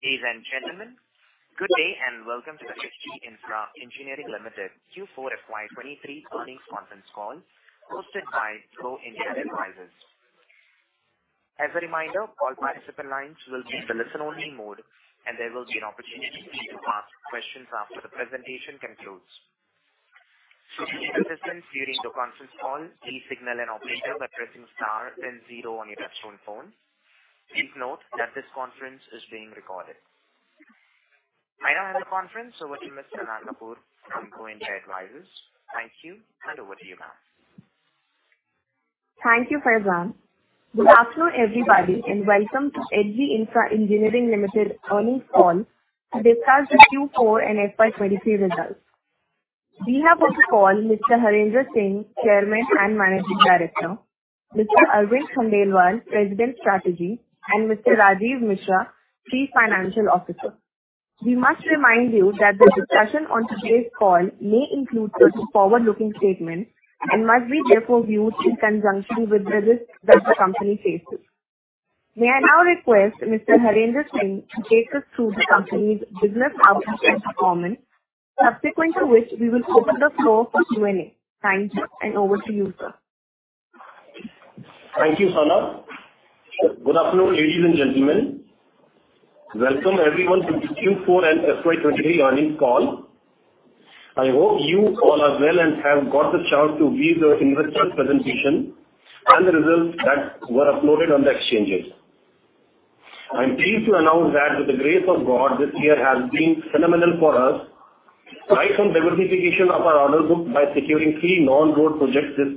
Ladies and gentlemen, good day, and welcome to the H.G. Infra Engineering Limited Q4 FY 2023 earnings conference call, hosted by Go India Advisors. As a reminder, all participant lines will be in the listen-only mode, and there will be an opportunity to ask questions after the presentation concludes. To assist during the conference call, please signal an operator by pressing star, then zero on your telephone phone. Please note that this conference is being recorded. I now hand the conference over to Ms. Sana Kapoor from Go India Advisors. Thank you, and over to you, ma'am. Thank you, Farzan. Good afternoon, everybody, and welcome to H.G. Infra Engineering Ltd. earnings call to discuss the Q4 and FY 2023 results. We have on the call Mr. Harendra Singh, Chairman and Managing Director, Mr. Arvind Khandelwal, President, Strategy, and Mr. Rajeev Mishra, Chief Financial Officer. We must remind you that the discussion on today's call may include certain forward-looking statements and must be therefore viewed in conjunction with the risks that the company faces. May I now request Mr. Harendra Singh to take us through the company's business outlook and performance, subsequent to which we will open the floor for Q&A. Thank you, and over to you, sir. Thank you, Sana. Good afternoon, ladies and gentlemen. Welcome everyone to the Q4 and FY 2023 earnings call. I hope you all are well and have got the chance to view the investor presentation and the results that were uploaded on the exchanges. I'm pleased to announce that with the grace of God, this year has been phenomenal for us, right from diversification of our order book by securing three non-road projects this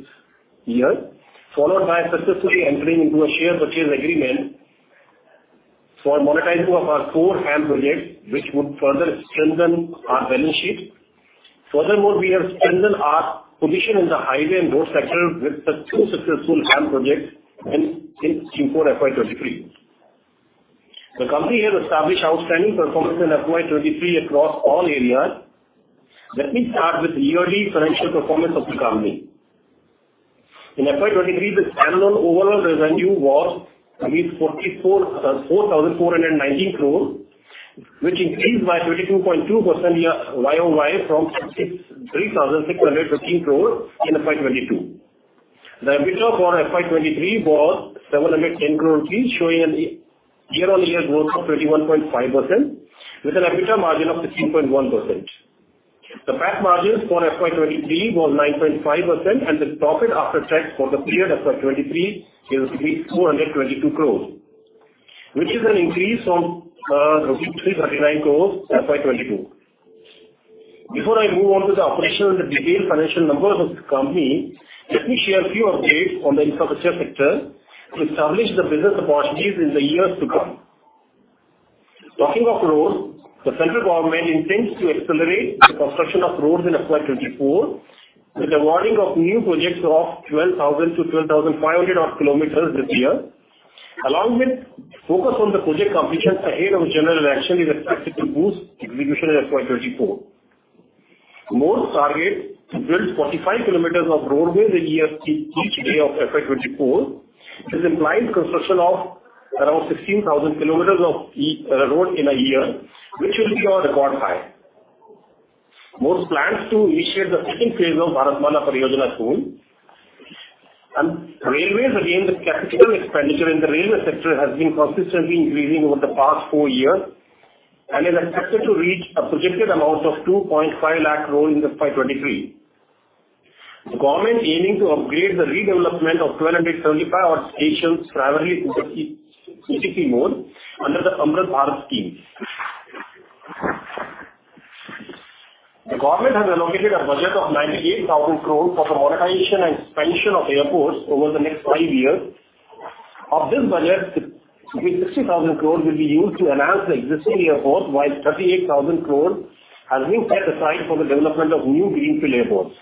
year, followed by successfully entering into a share purchase agreement for monetization of our core HAM projects, which would further strengthen our balance sheet. Furthermore, we have strengthened our position in the highway and road sector with the two successful HAM projects in Q4 FY 2023. The company has established outstanding performance in FY 2023 across all areas. Let me start with the yearly financial performance of the company. In FY 2023, the standalone overall revenue was 44,419 crore, which increased by 22.2% year-over-year from 33,615 crore in FY 2022. The EBITDA for FY 2023 was 710 crore rupees, showing a year-over-year growth of 21.5% with an EBITDA margin of 13.1%. The PAT margin for FY 2023 was 9.5%, and the profit after tax for the period FY 2023 is 422 crore, which is an increase from 339 crore in FY 2022. Before I move on to the operational and the detailed financial numbers of the company, let me share a few updates on the infrastructure sector to establish the business opportunities in the years to come. Talking of roads, the central government intends to accelerate the construction of roads in FY 2024, with awarding of new projects of 12,000-12,500 km this year, along with focus on the project completion ahead of general election is expected to boost execution in FY 2024. Road target to build 45 km of roadway the year, each day of FY 2024, is implying construction of around 16,000 km of road in a year, which will be our record high. MoRTH plans to initiate the second phase of Bharatmala Pariyojana soon. Railways, again, the capital expenditure in the railway sector has been consistently increasing over the past four years and is expected to reach a projected amount of 250,000 crore in FY 2023. The government aiming to upgrade the redevelopment of 1,235 odd stations primarily to the CCC mode under the Amrit Bharat Station Scheme. The government has allocated a budget of 98,000 crore for the modernization and expansion of airports over the next five years. Of this budget, 60,000 crore will be used to enhance the existing airports, while 38,000 crore has been set aside for the development of new greenfield airports.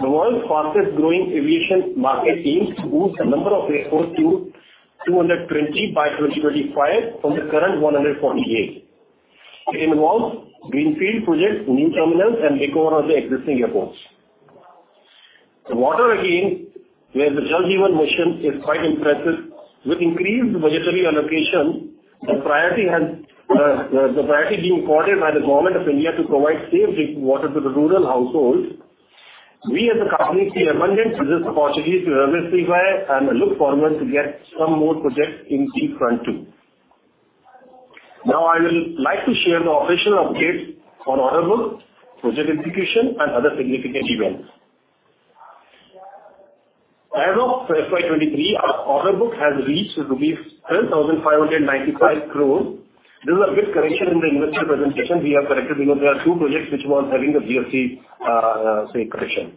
The world's fastest growing aviation market aims to boost the number of airports to 220 by 2025 from the current 148. It involves greenfield projects, new terminals, and makeover of the existing airports. The water, again, where the Jal Jeevan Mission is quite impressive. With increased budgetary allocation, the priority has the priority being given by the government of India to provide safe drinking water to the rural households. We as a company see abundant business opportunities to harvest the same and look forward to get some more projects in this front too. Now, I will like to share the operational updates on order book, project execution, and other significant events. As of FY 2023, our order book has reached to INR 12,595 crore. There is a bit correction in the investor presentation. We have corrected because there are two projects which was having the BFSI, say, correction.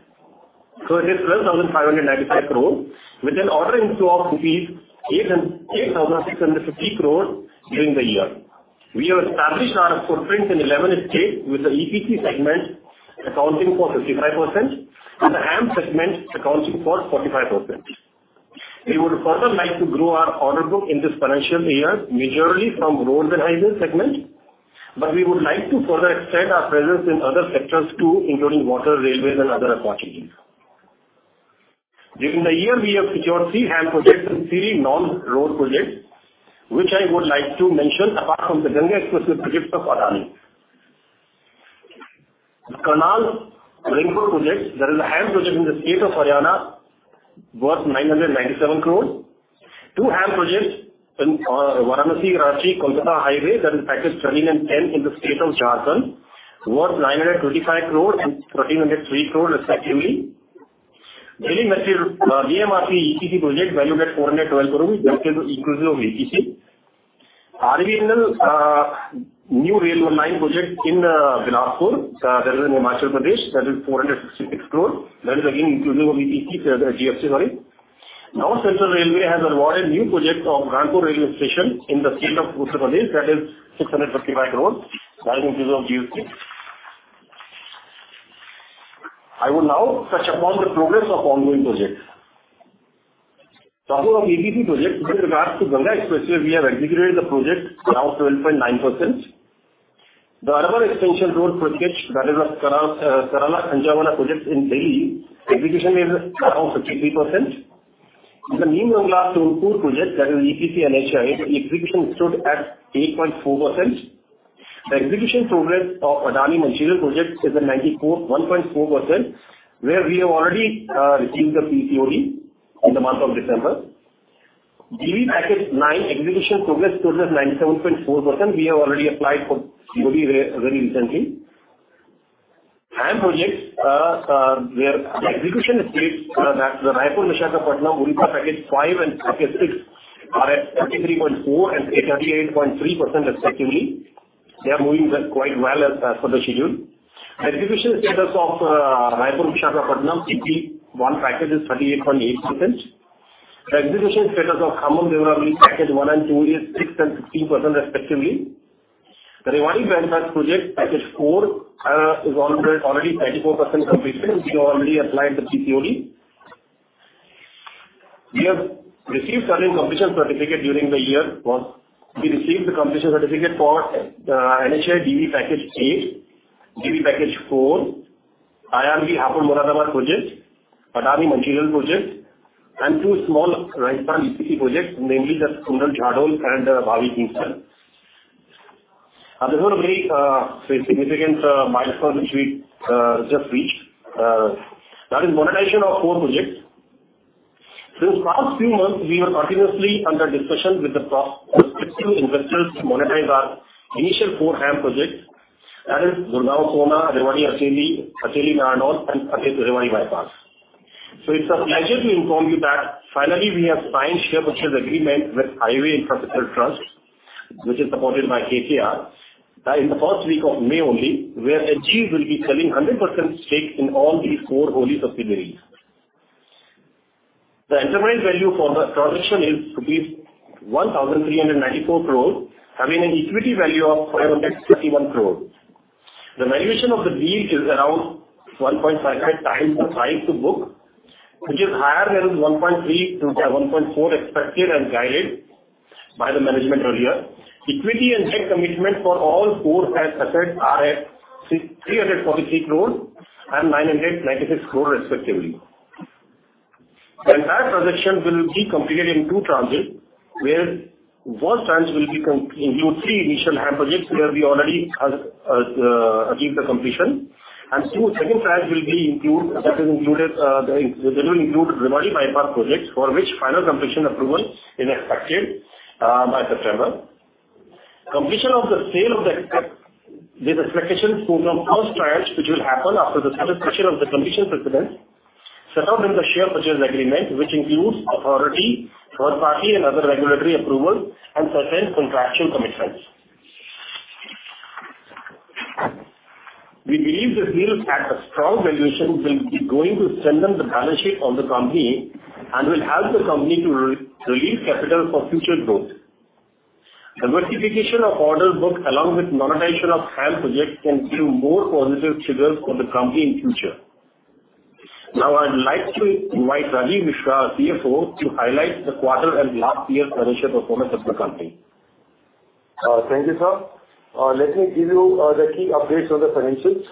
So it is 12,595 crore, with an order inflow of rupees 8,860 crore during the year. We have established our footprint in 11 states, with the EPC segment accounting for 55% and the HAM segment accounting for 45%. We would further like to grow our order book in this financial year, majorly from roads and highways segment, but we would like to further extend our presence in other sectors, too, including water, railways, and other opportunities. During the year, we have secured three HAM projects and three non-road projects, which I would like to mention, apart from the Ganga Expressway project of Adani. The Karnal ring road project, that is a HAM project in the state of Haryana, worth 997 crore. Two HAM projects in Varanasi, Ranchi, Kolkata Highway, that is package 13 and 10 in the state of Jharkhand, worth 925 crore and 1,303 crore, respectively. Delhi Metro, DMRC EPC project valued at 412 crore, that is inclusive of EPC. IRDL new railway line project in Bilaspur, that is in Himachal Pradesh, that is 466 crore. That is again, inclusive of EPC, GFC, sorry. Now, Central Railway has awarded new project of Kanpur railway station in the state of Uttar Pradesh, that is 635 crore. That includes of GFC. I will now touch upon the progress of ongoing projects. Talking of EPC projects, with regards to Ganga Expressway, we have executed the project around 12.9%. The Arabar Extension Road Project, that is the Karala-Kanjamana project in Delhi, execution is around 53%. The Neemrana-Dhaula Kuan project, that is EPC NHAI, the execution stood at 8.4%. The execution progress of Adani Material project is at 94.1%, where we have already received the PCoD in the month of December. DV package 9, execution progress stood at 97.4%. We have already applied for PCoD very, very recently. HAM projects, where the execution stage, the Raipur-Visakhapatnam, Ulka package 5 and package 6, are at 33.4% and at 38.3%, respectively. They are moving quite well as per the schedule. Execution status of Raipur-Visakhapatnam, CP 1 package is 38.8%. The execution status of Khammam-Devarapalli, package 1 and 2, is 6% and 15%, respectively. The Rewari Bypass Project, package 4, is on with already 34% completion. We already applied the PCoD. We have received certain completion certificate during the year. Well, we received the completion certificate for NHAI DV package A, DV package 4, IRB Raipur-Moradabad project, Adani Material project, and two small Rajasthan EPC projects, namely the Suna Jhadol and Bhawi Kingston. There's one very significant milestone which we just reached, that is monetization of four projects. These past few months, we were continuously under discussion with the pro- with several investors to monetize our initial four HAM projects, that is Gurgaon-Sohna, Rewari-Ateli, Ateli-Narnaul, and Ateli-Rewari Bypass. It's a pleasure to inform you that finally, we have signed share purchase agreement with Highways Infrastructure Trust, which is supported by KKR, in the first week of May only, where HG will be selling 100% stake in all these four wholly subsidiaries. The enterprise value for the transaction is rupees 1,394 crore, having an equity value of 561 crore. The valuation of the deal is around 1.5x the price to book, which is higher than 1.3x-1.4x expected and guided by the management earlier. Equity and debt commitments for all four HAM assets are at 343 crore and 996 crore, respectively. The entire transaction will be completed in two tranches, where one tranche will include three initial HAM projects, where we already has achieved the completion. The second tranche will include Rewari Bypass project, for which final completion approval is expected by September. Completion of the sale of the asset is expected to close first tranche, which will happen after the satisfaction of the completion precedents set out in the share purchase agreement, which includes authority, third party, and other regulatory approvals, and certain contractual commitments. We believe this deal at a strong valuation will be going to strengthen the balance sheet of the company and will help the company to re-release capital for future growth. Diversification of order book, along with monetization of HAM projects, can give more positive triggers for the company in future. Now, I'd like to invite Rajeev Mishra, CFO, to highlight the quarter and last year's financial performance of the company. Thank you, sir. Let me give you the key updates on the financials.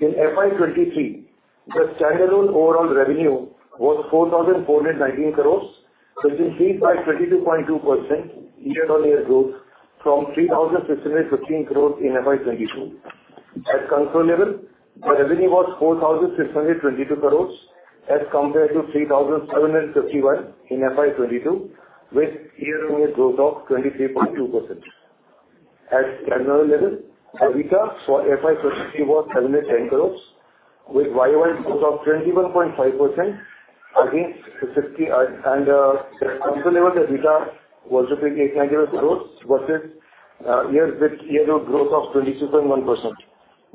In FY 2023, the standalone overall revenue was INR 4,419 crores, which increased by 22.2% year-on-year growth from INR 3,615 crores in FY 2022. At consolidated level, the revenue was INR 4,622 crores as compared to INR 3,731 crores in FY 2022, with year-on-year growth of 23.2%. At consolidated level, EBITDA for FY 2023 was 710 crores, with year-over-year growth of 21.5% against fifty... And at consolidated level, the EBITDA was INR 800 crores versus year, with year-on-year growth of 22.1%.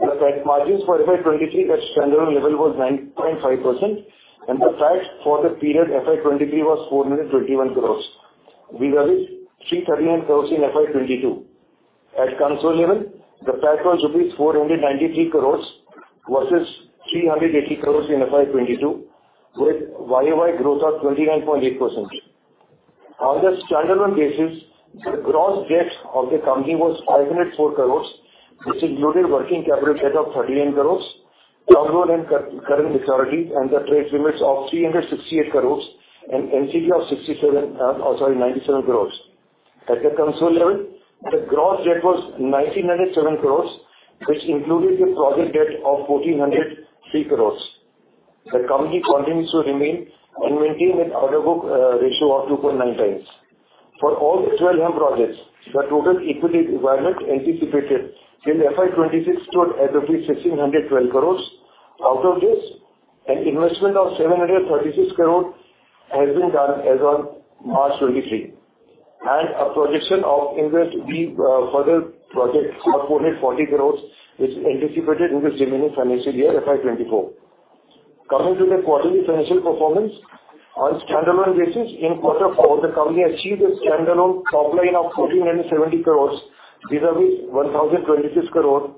The tax margins for FY 2023 at standalone level was 9.5%, and the tax for the period FY 2023 was 421 crore, whereas 339 crore in FY 2022. At console level, the tax was rupees 493 crore versus 380 crore in FY 2022, with year-over-year growth of 29.8%. On the standalone basis, the gross debt of the company was 504 crore, which included working capital debt of 38 crore, term loan and current maturity and the trade limits of 368 crore and NCD of 97 crore. At the console level, the gross debt was 1,907 crore, which included the project debt of 1,403 crore. The company continues to remain and maintain its order book ratio of 2.9x. For all the 12 hub projects, the total equity requirement anticipated in FY 2026 stood at roughly INR 1,612 crore. Out of this, an investment of 736 crore has been done as on March 2023, and a projection of invest we, further projects of 440 crore is anticipated in this remaining financial year, FY 2024. Coming to the quarterly financial performance, on standalone basis, in quarter four, the company achieved a standalone top line of 1,470 crore vis-à-vis 1,026 crore.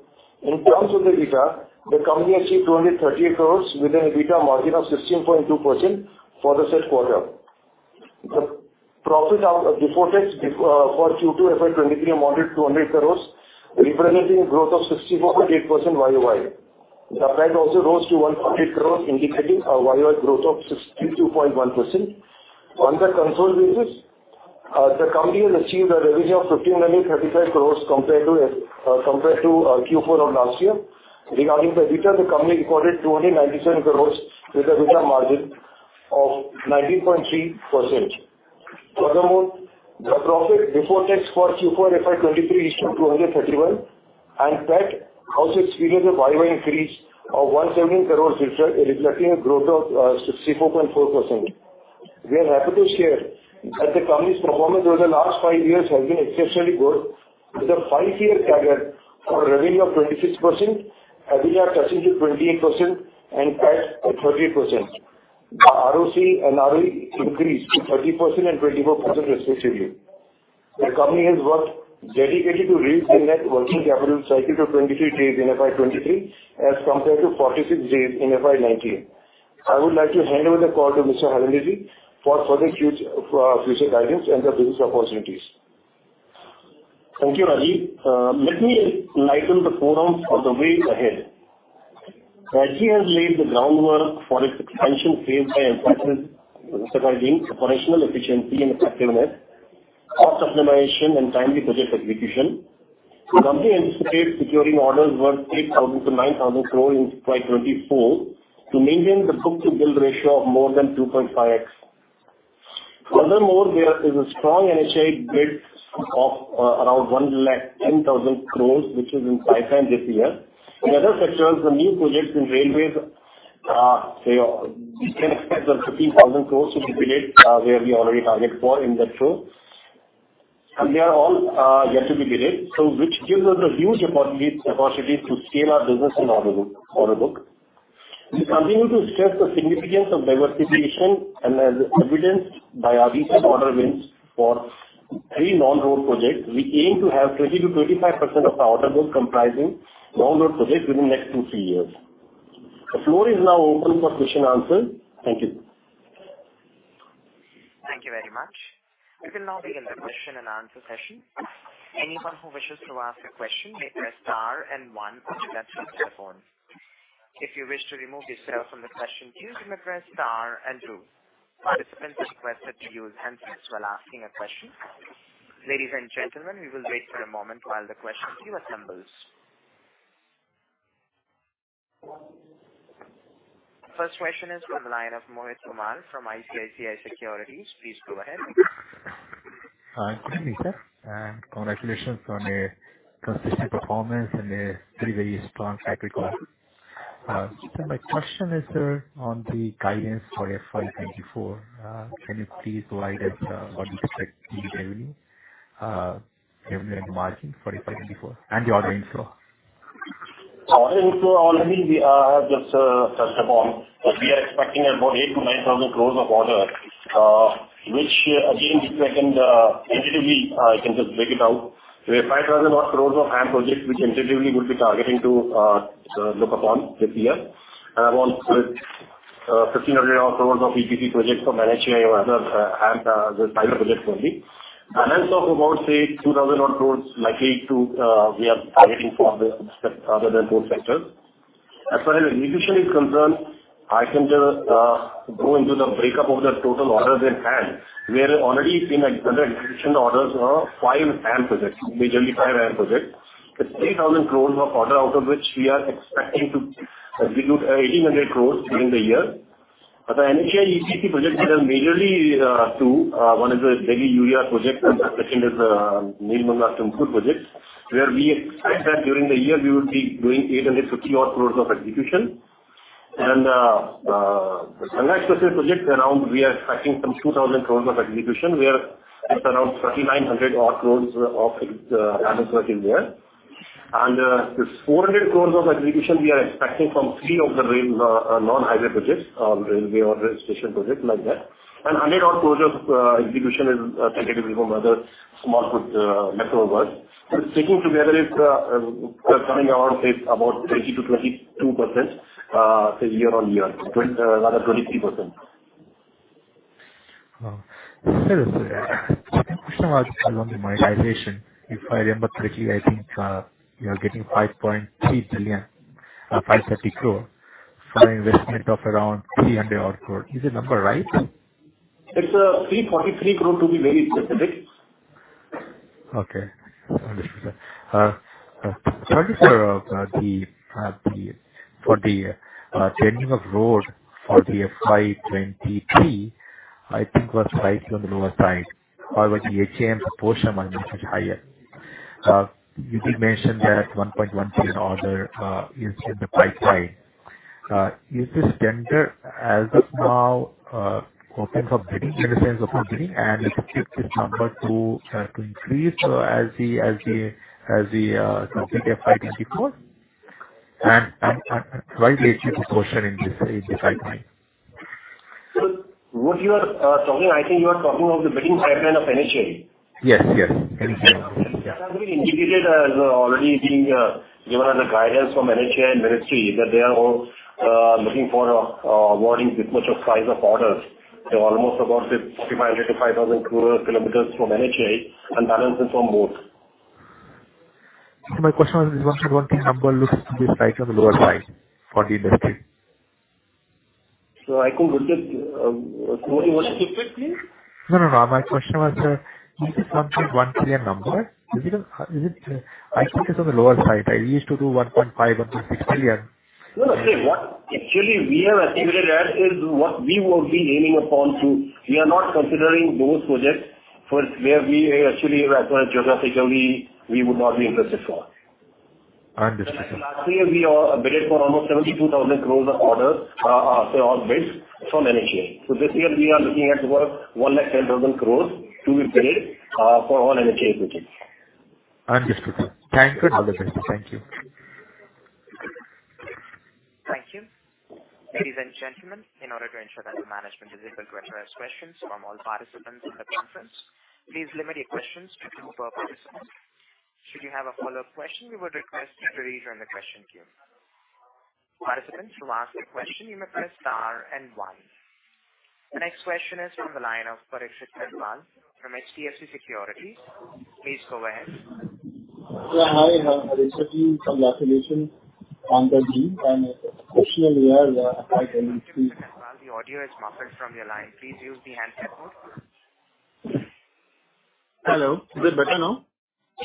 In terms of the EBITDA, the company achieved 238 crore, with an EBITDA margin of 16.2% for the said quarter. The profit out of before tax, for Q2 FY 2023 amounted to 200 crore, representing a growth of 64.8% year-over-year. The PAT also rose to 100 crore, indicating a year-over-year growth of 62.1%. On the console basis, the company has achieved a revenue of 1,535 crore compared to Q4 of last year. Regarding the EBITDA, the company recorded 297 crore, with an EBITDA margin of 19.3%. Furthermore, the profit before tax for Q4 FY 2023 is 231 crore, and PAT also experienced a year-over-year increase of 117 crore, reflecting a growth of 64.4%. We are happy to share that the company's performance over the last 5 years has been exceptionally good, with a 5-year CAGR for revenue of 26%, EBITDA touching to 28%, and PAT at 30%. The ROC and ROE increased to 30% and 24% respectively. The company has worked dedicated to reach the net working capital cycle to 23 days in FY 2023, as compared to 46 days in FY 2019. I would like to hand over the call to Mr. Harendra Singh for further future, future guidance and the business opportunities. Thank you, Rajeev. Let me enlighten the forums of the way ahead. Rajeev has laid the groundwork for its expansion phase by emphasizing operational efficiency and effectiveness, cost optimization, and timely budget execution. The company anticipates securing orders worth 8,000 crore-9,000 crore in FY 2024 to maintain the book-to-bill ratio of more than 2.5x. Furthermore, there is a strong NHAI bid of around 110,000 crore, which is in pipeline this year. In other sectors, the new projects in railways, say, we can expect 15,000 crore to be bid, where we already target for in that show, and they are all yet to be bidded, which gives us a huge opportunity, opportunity to scale our business in order book, order book. We continue to stress the significance of diversification, and as evidenced by our recent order wins for three non-road projects, we aim to have 20%-25% of our order book comprising non-road projects within the next 2-3 years. The floor is now open for Q&A. Thank you. Thank you very much. We can now begin the question and answer session. Anyone who wishes to ask a question may press star and one on their telephone. If you wish to remove yourself from the question queue, you may press star and two. Participants are requested to use handsets while asking a question. Ladies and gentlemen, we will wait for a moment while the question queue assembles. First question is from the line of Mohit Kumar from ICICI Securities. Please go ahead. Hi, good evening, sir, and congratulations on a consistent performance and a very, very strong track record. So my question is, sir, on the guidance for FY 2024, can you please provide what you expect in revenue, revenue and margin for FY 2024 and the order inflow? Order inflow already we, I have just touched upon. We are expecting about 8,000-9,000 crore of order, which again, I can intuitively, I can just break it out. We have 5,000 odd crore of HAM projects, which intuitively we'll be targeting to look upon this year. And about 1,500 odd crore of EPC projects from NHAI or other, the final projects only. Talk about, say, 2,000 odd crore likely to, we are targeting for the other than those sectors. As far as execution is concerned, I can just go into the breakup of the total orders in hand. We have already seen under execution orders are five HAM projects, majorly five HAM projects. It's 3,000 crore of order, out of which we are expecting to execute 1,800 crore during the year. But the NHAI EPC projects are majorly two. One is a Delhi URI project, and the second is Nilmanga Tumkur project, where we expect that during the year we would be doing 850 odd crore of execution. And the Sangli express projects around we are expecting some 2,000 crore of execution, where it's around 3,900 odd crore of annual work in there. And this 400 crore of execution we are expecting from three of the rail non-highway projects, railway or station project like that. And 100 odd crore of execution is expected from other small good leftover work. Sticking together, it's coming around, say, about 20%-22%, say, year-on-year, rather 23%.... sir, a question on the monetization. If I remember correctly, I think, you are getting 5.3 trillion, 530 crore from an investment of around 300 crore. Is the number right? It's 343 crore, to be very specific. Okay. Understood, sir. So just for the changing of road for the FY 2023, I think was slightly on the lower side. However, the HAM portion might be much higher. You did mention that 1.13 in order is in the pipeline. Is this tender as of now open for bidding, in the sense of opening, and expect this number to increase as the complete FY 2024? And why the HAM proportion in this pipeline? So what you are talking, I think you are talking of the bidding pipeline of NHAI. Yes. Yes. Indicated as already being given as a guidance from NHAI and ministry, that they are all looking for awarding this much of size of orders. They're almost about 4,500-5,000 kilometers from NHAI, and balance is on MoRTH. My question was, is 1.1 trillion number looks to be slightly on the lower side for the industry. So I could look at what you want to keep it, please? No, no, no. My question was, is this 1.1 trillion number, is it, is it... I think it's on the lower side, right? We used to do 1.5 trillion, 1.6 trillion. No, no. Okay. What actually we have estimated as is what we would be aiming upon to. We are not considering those projects for where we actually as well geographically, we would not be interested for. I understand. Last year we all bid for almost 72,000 crore of orders, so all bids from NHAI. So this year we are looking at about 110,000 crore to be bid, for all NHAI projects. Understood, sir. Thank you and all the best. Thank you. Thank you. Ladies and gentlemen, in order to ensure that the management is able to address questions from all participants in the conference, please limit your questions to two per person. Should you have a follow-up question, we would request you to rejoin the question queue. Participants, to ask a question, you may press star and one. The next question is from the line of Parikshit Kandpal from HDFC Securities. Please go ahead. Yeah, hi, Harendra, congratulations on the team and exceptional year- Parikshit Kandpal, the audio is muffled from your line. Please use the handset mode. Hello. Is it better now? Yeah, yeah.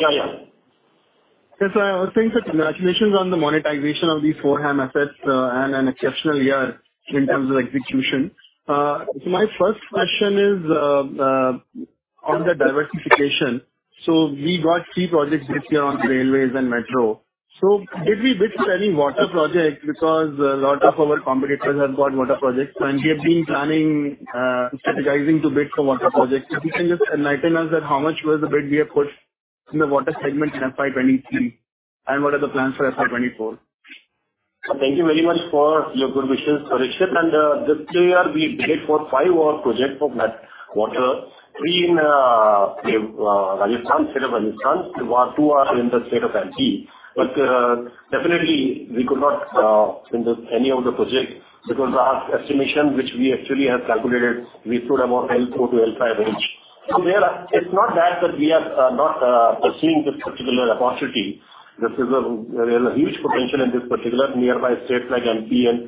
Yes, I was saying congratulations on the monetization of the four HAM assets, and an exceptional year in terms of execution. So my first question is on the diversification. So we got three projects this year on railways and metro. So did we bid for any water project? Because a lot of our competitors have got water projects, and we have been planning, strategizing to bid for water projects. If you can just enlighten us that how much was the bid we have put in the water segment in FY 2023, and what are the plans for FY 2024? Thank you very much for your good wishes, Parikshit. And this year we bid for 5 water projects for water. Three in Rajasthan, state of Rajasthan, two are in the state of MP. But definitely we could not win the any of the projects because our estimation, which we actually have calculated, we stood about L 2 to L 5 range. So there are-- It's not that, that we are not pursuing this particular opportunity. This is a, there is a huge potential in this particular nearby states like MP and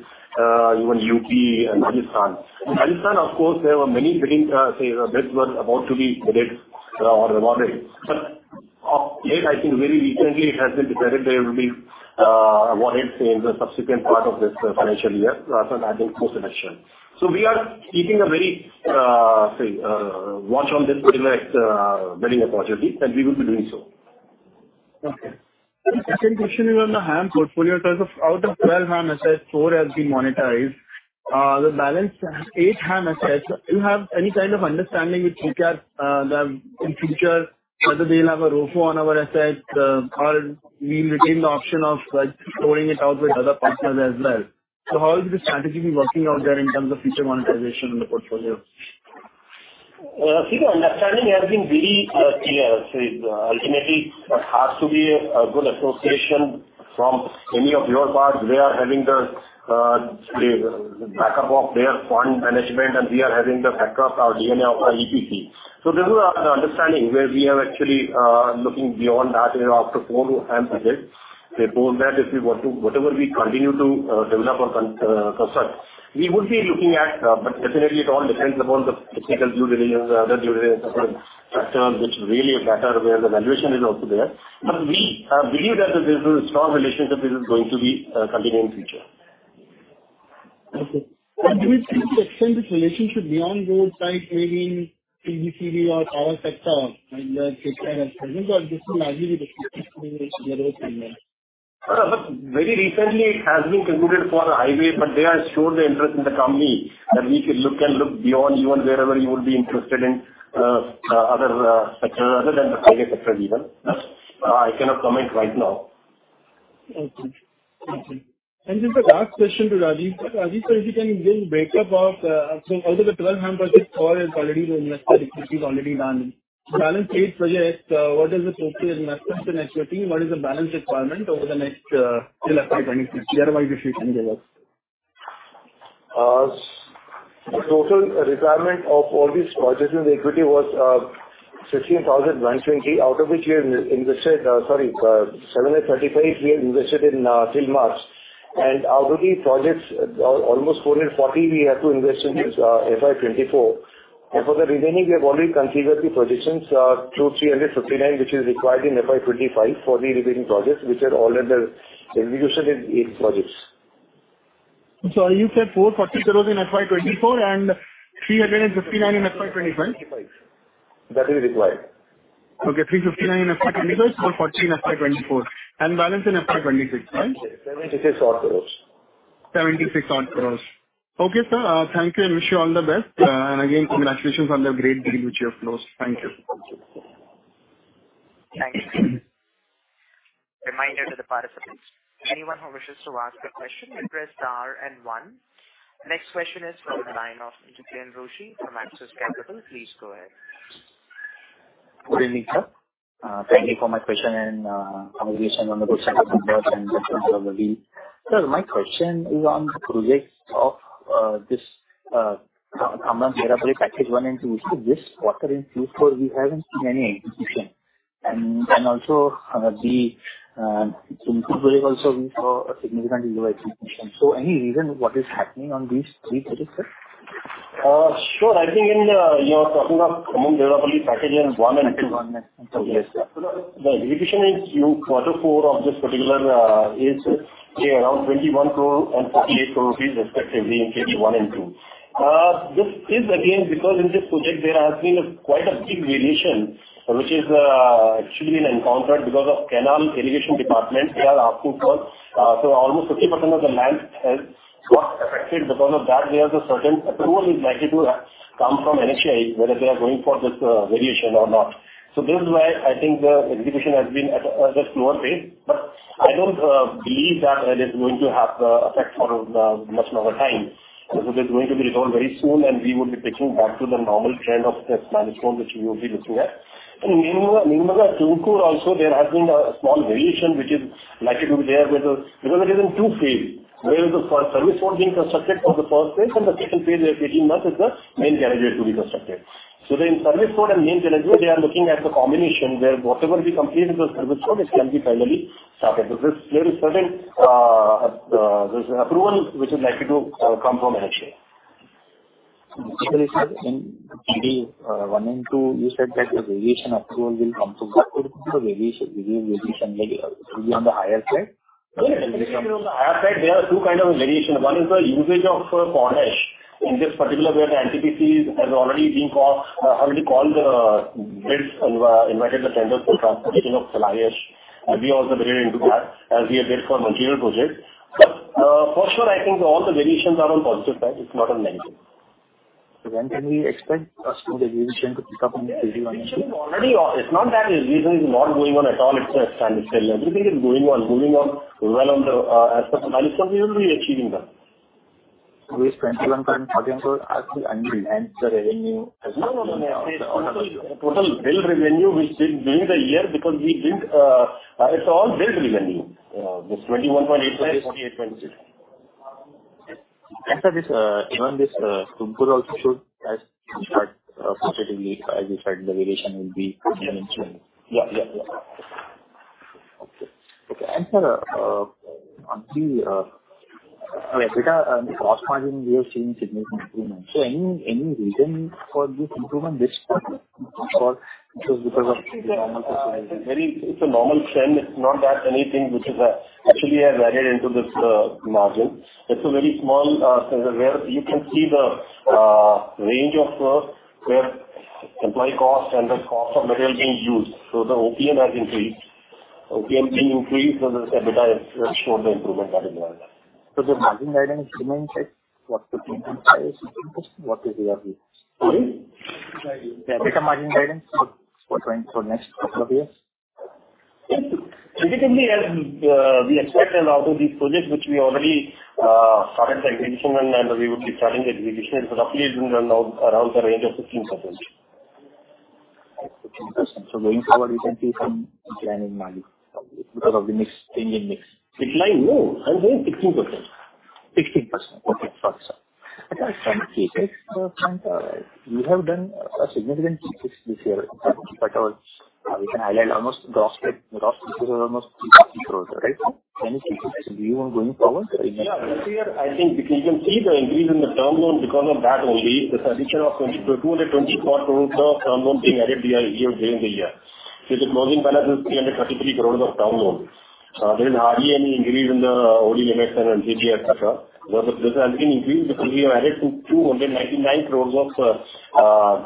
even UP and Rajasthan. Rajasthan, of course, there were many bidding, say, bids were about to be bidded or awarded. But of late, I think very recently it has been decided they will be awarded, say, in the subsequent part of this financial year, so I think post election. So we are keeping a very, say, watch on this particular bidding opportunity, and we will be doing so. Okay. The second question is on the HAM portfolio. In terms of out of 12 HAM assets, 4 has been monetized. The balance eight HAM assets, do you have any kind of understanding with who can, in future, whether they'll have a ROFO on our assets, or we retain the option of, like, exploring it out with other partners as well? So how is the strategy working out there in terms of future monetization in the portfolio? See, the understanding has been very clear. Ultimately, it has to be a good association from any of your parts. They are having the backup of their fund management, and we are having the backup, our DNA of our EPC. This is our understanding, where we are actually looking beyond that, you know, after four HAM assets. They told that if we want to, whatever we continue to develop our con, for such, we would be looking at, but definitely it all depends upon the technical due diligence, other due diligence, structure, which really better where the valuation is also there. We believe that this is a strong relationship, this is going to be continue in future. Okay. And do you think to extend this relationship beyond road, like maybe PVCV or power sector, and then kind of... This is actually the But very recently it has been included for the highway, but they have shown the interest in the company that we can look and look beyond even wherever you would be interested in, other, sector other than the private sector even. But, I cannot comment right now. Okay. Thank you. Just the last question to Rajeev. Rajeev Sir, if you can give break-up of, so out of the 12 HAM projects, four is already invested, which is already done? Balance eight projects, what is the total investment in equity? What is the balance requirement over the next, till FY 2026, year-wise, if you can give us? The total requirement of all these projects in the equity was 16,920, out of which we have invested 735 till March. Out of these projects, almost 440 we have to invest in FY 2024. For the remaining, we have already considered the positions through 359, which is required in FY 2025 for the remaining projects, which are all at the execution in projects. So you said 440 crore in FY 2024 and 359 crore in FY 2025? That is required. Okay, 359 in FY 2025, 440 in FY 2024, and balance in FY 2026, right? 76 odd crore. 76 odd crore. Okay, sir, thank you, and wish you all the best. And again, congratulations on the great deal which you have closed. Thank you. Thank you. Reminder to the participants, anyone who wishes to ask a question, you press star and one. Next question is from the line of Jiten Rushi from Axis Capital. Please go ahead. Good evening, sir. Thank you for my question and congratulations on the good set of numbers and results of the week. Sir, my question is on the project of this Khammam-Devarapalli package one and two. So this quarter in Q4, we haven't seen any execution. And also, the Tumkur project also, we saw a significant delay execution. So any reason what is happening on these three projects, sir? Sure. I think in, you're talking of Khammam-Devarapalli package 1 and 2. 1 and 2. Yes, sir. The execution is Q4 of this particular is around 21 crore and 48 crore rupees respectively in KD 1 and KD 2. This is again, because in this project there has been a quite a big variation, which is actually an encounter because of canal irrigation department, they are asking for. So almost 50% of the land has got affected. Because of that, we have a certain approval is likely to come from NHAI, whether they are going for this variation or not. So this is why I think the execution has been at a slower pace, but I don't believe that it is going to have the effect for much more time. This is going to be resolved very soon, and we would be taking back to the normal trend of this milestone, which you will be looking at. In Nelamangala-Tumkur also, there has been a small variation, which is likely to be there with the.... Because it is in two phases, where the first service road being constructed for the first phase, and the second phase is 18 months, is the main carriage way to be constructed. So the in service road and main carriage way, they are looking at the combination, where whatever we complete in the service road, it can be finally started. Because there is certain, there's approval which is likely to come from NHAI. Sir, in KD 1 and 2, you said that the variation approval will come from the variation will be on the higher side? Yes, on the higher side, there are two kind of variation. One is the usage of Pond Ash. In this particular, where the NTPC has already been called, already called the bids and invited the tenders for transportation of fly ash, and we also built into that as we have built for material project. For sure, I think all the variations are on positive side, it's not on negative. When can we expect as to the variation to pick up in the period one? Variation is already on. It's not that variation is not going on at all. It's a standard scale. Everything is going on, moving on well on the as per the milestones. We will be achieving them. This 21-point margin will actually enhance the revenue? No, no, no. Total, total bill revenue, which is during the year, because we didn't. It's all billed revenue, this 21.8 crore and INR 48.6 crore. Sir, this, even this, Tumkur also should, as you said, positively, as you said, the variation will be mentioned. Yeah. Yeah. Okay. Okay, and sir, on the EBITDA, this cost margin, we are seeing significant improvement. So any, any reason for this improvement, this quarter? Or it was because of the normal- It's a normal trend. It's not that anything which is, actually has added into this, margin. It's a very small, where you can see the, range of, where employee cost and the cost of material being used. So the OPM has increased. OPM being increased, so the EBITDA has showed the improvement that is why. So the margin guidance remains at what, 15%? What is your view? Sorry. The EBITDA margin guidance for going, for next couple of years. Yes. Typically, as we expect that out of these projects, which we already started the execution and we would be starting the execution, but roughly it will run out around the range of 16%. 16%. So going forward, we can see some decline in margin because of the mix, EPC mix. Inline, no, I'm saying 16%. 16%. Okay, got you, sir. In some cases, you have done a significant success this year. But, we can highlight almost the profit, the profit is almost 50 crore, right? Any success view on going forward? Yeah, I think you can see the increase in the term loan because of that only, the position of 22,224 crore term loan being added during the year. The closing balance is 333 crore of term loan. There is hardly any increase in the OD limits and LCG, et cetera. This has been increased because we have added 299 crore of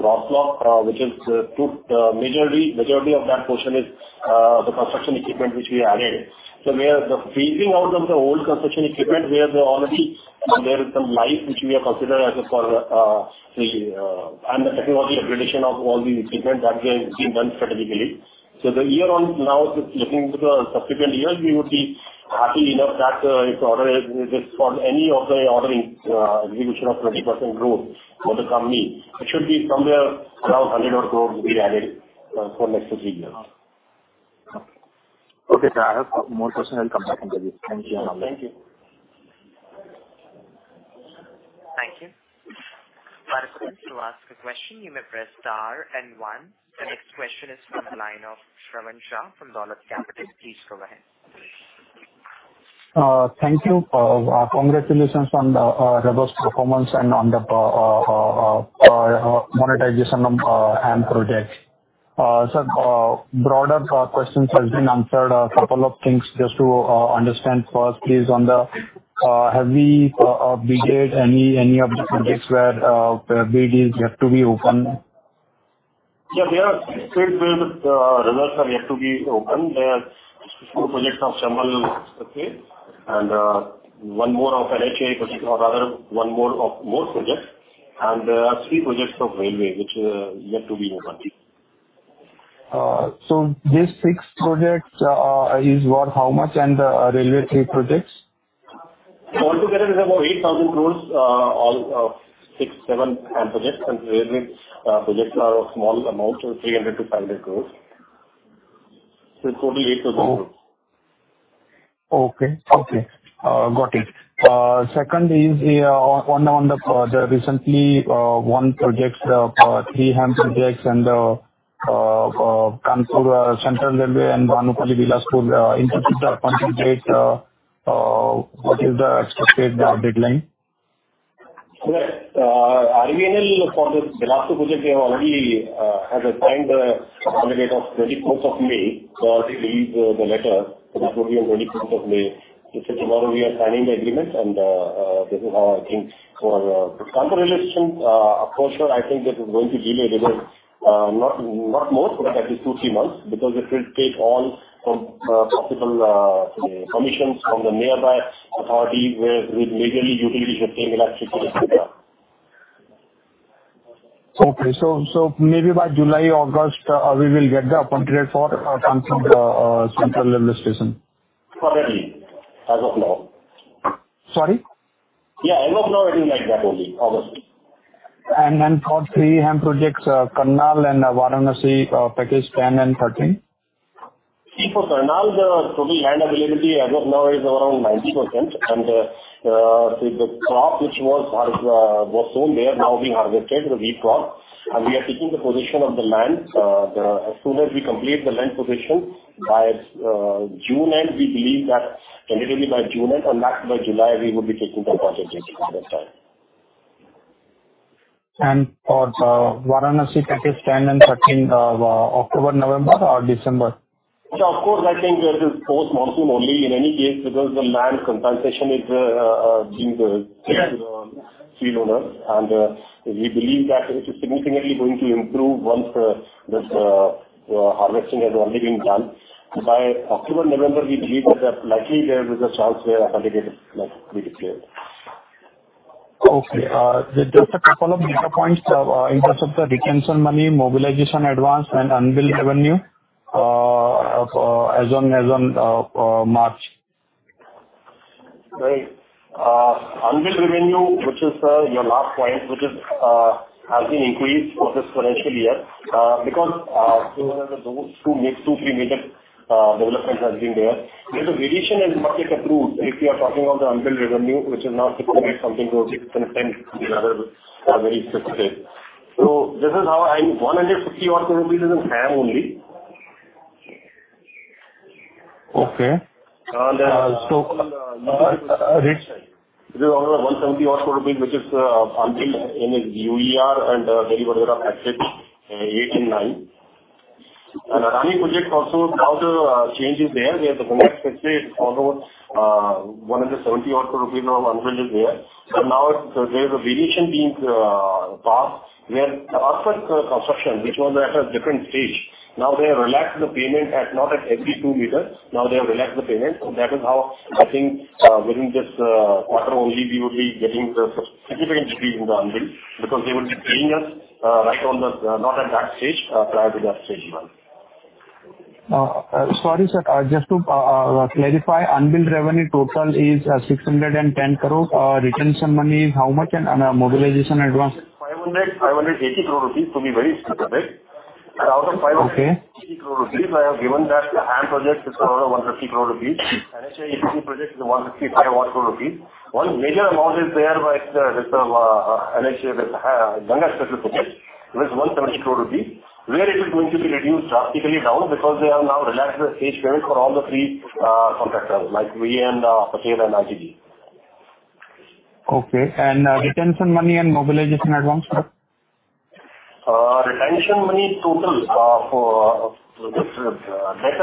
gross lock, which is, majority of that portion is the construction equipment which we added. We are phasing out the old construction equipment, where already there is some life which we are considered as for the technology accreditation of all the equipment that is being done strategically. So the year on now, just looking into the subsequent years, we would be happy enough that, if the order is for any of the ordering, distribution of 20% growth for the company, it should be somewhere around 100 or more will be added, for next three years. Okay, sir, I have more questions. I'll come back and tell you. Thank you. Thank you. Thank you. For participants to ask a question, you may press star and one. The next question is from the line of Shravan Shah from Dolat Capital. Please go ahead. Thank you. Congratulations on the robust performance and on the monetization of HAM projects. Sir, broader questions has been answered. A couple of things just to understand first, please. On the have we bid any of the projects where bid is yet to be open? Yeah, there are bids where the results are yet to be open. There are two projects of Samal, okay, and, one more of NHAI project, or rather, one more of more projects, and, three projects of railway, which, yet to be opened. These six projects is worth how much, and railway three projects? Altogether is about 8,000 crore, all six, seven HAM projects, and railway projects are a small amount of 300 crore-500 crore. So totally 800 crore. Okay. Okay. Got it. Second is on the recently won projects, three HAM projects and Kanpur Central Railway and Bhanupali-Bilaspur, in terms of the contract rate, what is the expected deadline? Right. RVNL for this Bilaspur project, they have already assigned the aggregate of 24th of May, so they released the letter. This will be on 24th of May. Tomorrow we are signing the agreement, and this is how I think for Kanpur station. Of course, sir, I think this is going to delay a little, not more, but at least two, three months, because it will take all from possible, say, commissions from the nearby authority, where we majorly utilize the single access to the city. Okay. So, so maybe by July, August, we will get the contract for Kanpur Central Railway Station? Probably, as of now. Sorry? Yeah, as of now, I think like that only, August. Then for three HAM projects, Karnal and Varanasi Package 10 and 13. See, for Karnal, the land availability as of now is around 90%, and the crop which was sown there, now being harvested, the wheat crop, and we are taking the position of the land. As soon as we complete the land position, by June end, we believe that definitely by June end or not by July, we will be taking the contract at this point of time. For Varanasi, Package 10 and 13, October, November or December? Yeah, of course, I think this is post-monsoon only in any case, because the land compensation is being freeloaders. And we believe that it is significantly going to improve once this harvesting has already been done. By October, November, we believe that luckily there is a chance where aggregated like we declared. Okay. Just a couple of data points, in terms of the retention money, mobilization advance, and unbilled revenue, as on March. Right. Unbilled revenue, which is your last point, which is has been increased for this financial year, because those two mixed two three major developments has been there. There's a variation in MoRTH approved, if you are talking of the unbilled revenue, which is now INR 600-something to INR 610, the other are very specific. So this is how in INR 160 odd rupees is in HAM only. Okay. Uh, then- So, reach? It is around INR 170 odd, which is until in UER and delivery of assets 8 and 9. Running project also, now the change is there. We have the next phase, almost 170 odd rupees or unbilled is there. But now, there's a variation being passed, where the asset construction, which was at a different stage, now they relaxed the payment at not at every 2 m, now they have relaxed the payment. So that is how I think, within this quarter only, we would be getting a significant degree in the unbilled, because they will be paying us right on the not at that stage, prior to that stage. Sorry, sir, just to clarify, unbilled revenue total is 610 crore. Retention money, how much? And mobilization advance. 580 crore rupees, to be very specific. Okay. Out of 580 crore rupees, I have given that the HAM project is around 150 crore rupees. NHAI project is 165 odd crore rupees. One major amount is there by the NHAI Ganga special project, which is INR 170 crore, where it is going to be reduced drastically down because they have now relaxed the stage payment for all the three contractors, like we and Patel and ITB. Okay. And, retention money and mobilization advance, sir? Retention money total for better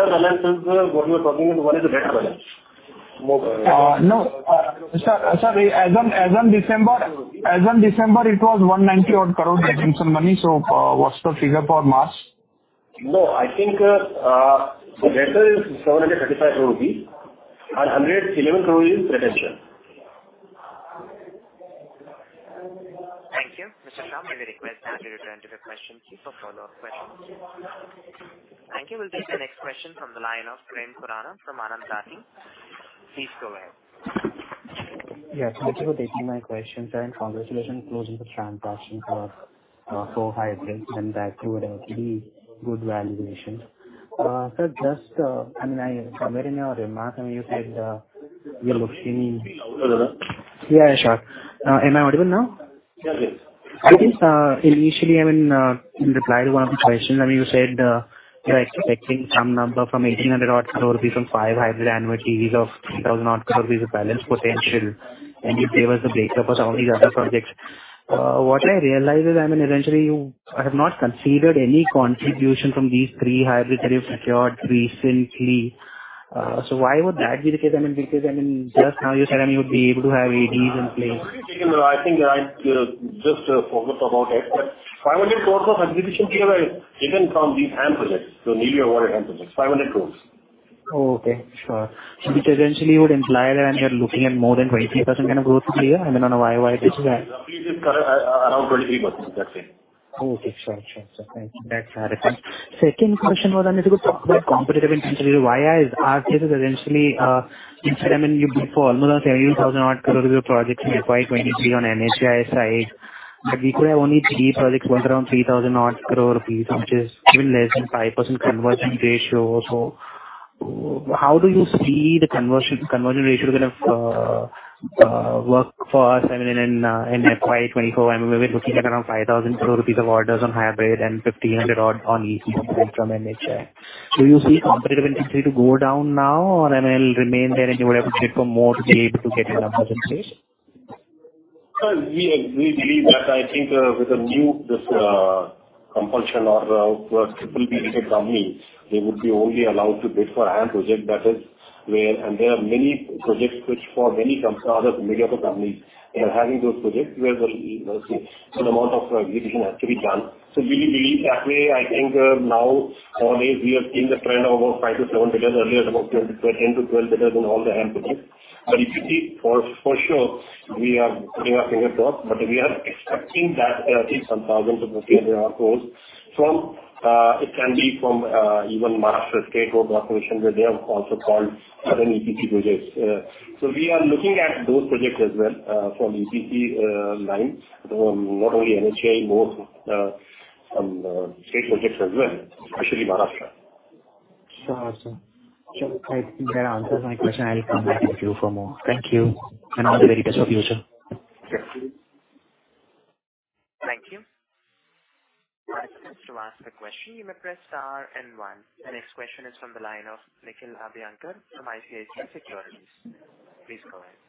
balances, what we are talking is what is the better balance? Mo- No, sir, as on December, it was 190 odd crore retention money. So, what's the figure for March? No, I think, better is 735, and 111 crore is retention. ... We request you to return to the question queue for follow-up questions. Thank you. We'll take the next question from the line of Prem Khurana from Anand Rathi. Please go ahead. Yes, thank you for taking my question, sir, and congratulations on closing the transaction for four HAMs, and that would have to be good valuation. So just, I mean, I read in your remarks, and you said, you're looking— Yeah, sure. Am I audible now? Yeah. I think, initially, I mean, in reply to one of the questions, I mean, you said, I mean, you are expecting some number from 1,800 crore rupees odd from five hybrid annual TVs of 3,000 crore rupees odd of balance potential, and you gave us a breakup of some of these other projects. What I realize is, I mean, eventually, you have not considered any contribution from these three hybrids that you've secured recently. Why would that be the case? I mean, because, I mean, just now you said, I mean, you would be able to have ADs in place. I think I, you know, just focused about it, but 500 crore of acquisition here are taken from these HAM projects, so nearly awarded HAM projects, 500 crore. Oh, okay. Sure. Which essentially would imply that you're looking at more than 23% kind of growth here, I mean, on a year-over-year basis. Around 23%, that's it. Oh, okay. Sure, sure, sir. Thank you. That's alright. Second question was, I mean, if you could talk about competitive intention, why is RCS is essentially, instead, I mean, you bid for almost 70,000 crore project in FY 2023 on NHAI side, but we could have only three projects worth around 3,000 crore rupees, which is even less than 5% conversion ratio. How do you see the conversion, conversion ratio kind of work for us? I mean, in FY 2024, I mean, we're looking at around 5,000 crore rupees of orders on hybrid and 1,500 odd crore on EPC from NHAI. Do you see competitive industry to go down now, or, I mean, it'll remain there, and you would have to wait for more to be able to get enough projects? Well, we believe that, I think, with the new, this, compulsion or, triple B company, they would be only allowed to bid for HAM project. That is, where... And there are many projects which for many companies, other mega companies, they are having those projects where the, okay, certain amount of acquisition has to be done. So we believe that way, I think, now always we have seen the trend of about 5-7 bidders, earlier, about 10-12 bidders in all the HAM projects. But if you see, for sure, we are putting our finger first, but we are expecting that at least some thousands of INR there are goals from, it can be from, even Maharashtra State Road Corporation, where they have also called certain EPC projects. So we are looking at those projects as well, from EPC lines, from not only NHAI, more from state projects as well, especially Maharashtra. Sure, sir. Sure, I think that answers my question. I'll come back to you for more. Thank you, and all the very best for future. Sure. Thank you. To ask a question, you may press star and one. The next question is from the line of Nikhil Abhyankar from ICICI Securities. Please go ahead.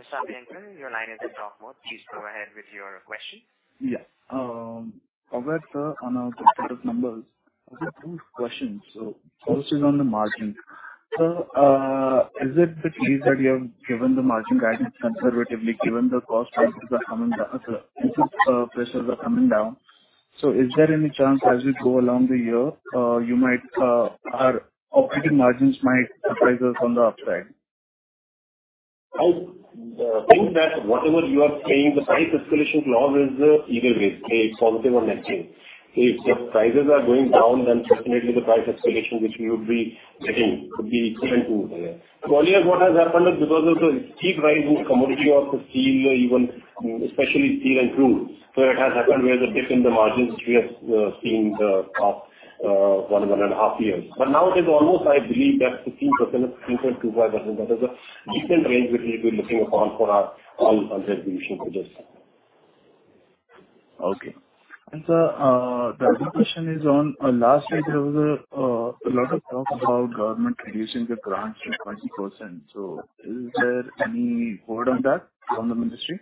Mr. Abhyankar, your line is in talk mode. Please go ahead with your question. Yeah. Congrats, sir, on a good set of numbers, I have two questions. So first is on the margin. So, is it the case that you have given the margin guidance conservatively, given the cost prices are coming down, input prices are coming down? So is there any chance as we go along the year, you might, our operating margins might surprise us on the upside? I think that whatever you are saying, the price escalation clause is either way, A, it's positive or negative. If the prices are going down, then definitely the price escalation, which we would be getting, could be even too, yeah. So earlier, what has happened is because of the steep rise in commodity of steel, even especially steel and crude. So it has happened where the dip in the margins, which we have seen the past one and a half years. But now it is almost I believe that 16% or 16.25%, that is a decent range, which we'll be looking upon for our all under execution projects. Okay. And, sir, the other question is on last week there was a lot of talk about government reducing the grants to 20%. So is there any word on that from the ministry?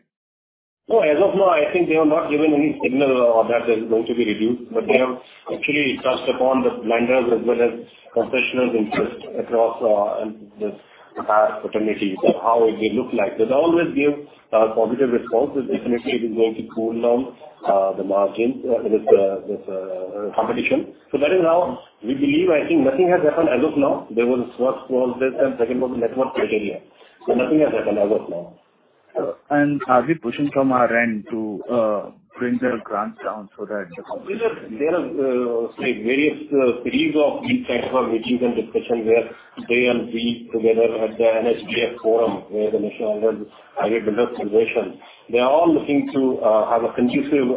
No, as of now, I think they have not given any signal that is going to be reduced, but they have actually touched upon the lenders as well as professionals interest across, and this entire fraternity of how it may look like. They'd always give positive response. Definitely, it is going to cool down the margin, this, this, competition. So that is how we believe. I think nothing has happened as of now. There was first clause, and second was network criteria. So nothing has happened as of now. Are we pushing from our end to bring the grants down so that- There are, like, various series of meetings and discussions where they and we together at the NHAI forum, where the National Highway Builders Federation. They are all looking to have a conducive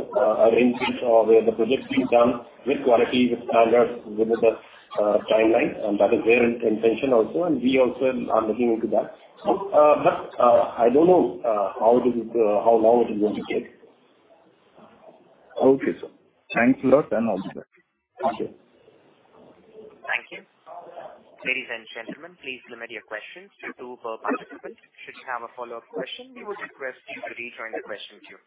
arrangement or where the project is done with quality, with standards, within the timeline, and that is their intention also, and we also are looking into that. So, but, I don't know how this, how long it is going to take. Okay, sir. Thanks a lot, and all the best. Okay. Thank you. Ladies and gentlemen, please limit your questions to two per participant. Should you have a follow-up question, we would request you to rejoin the question queue.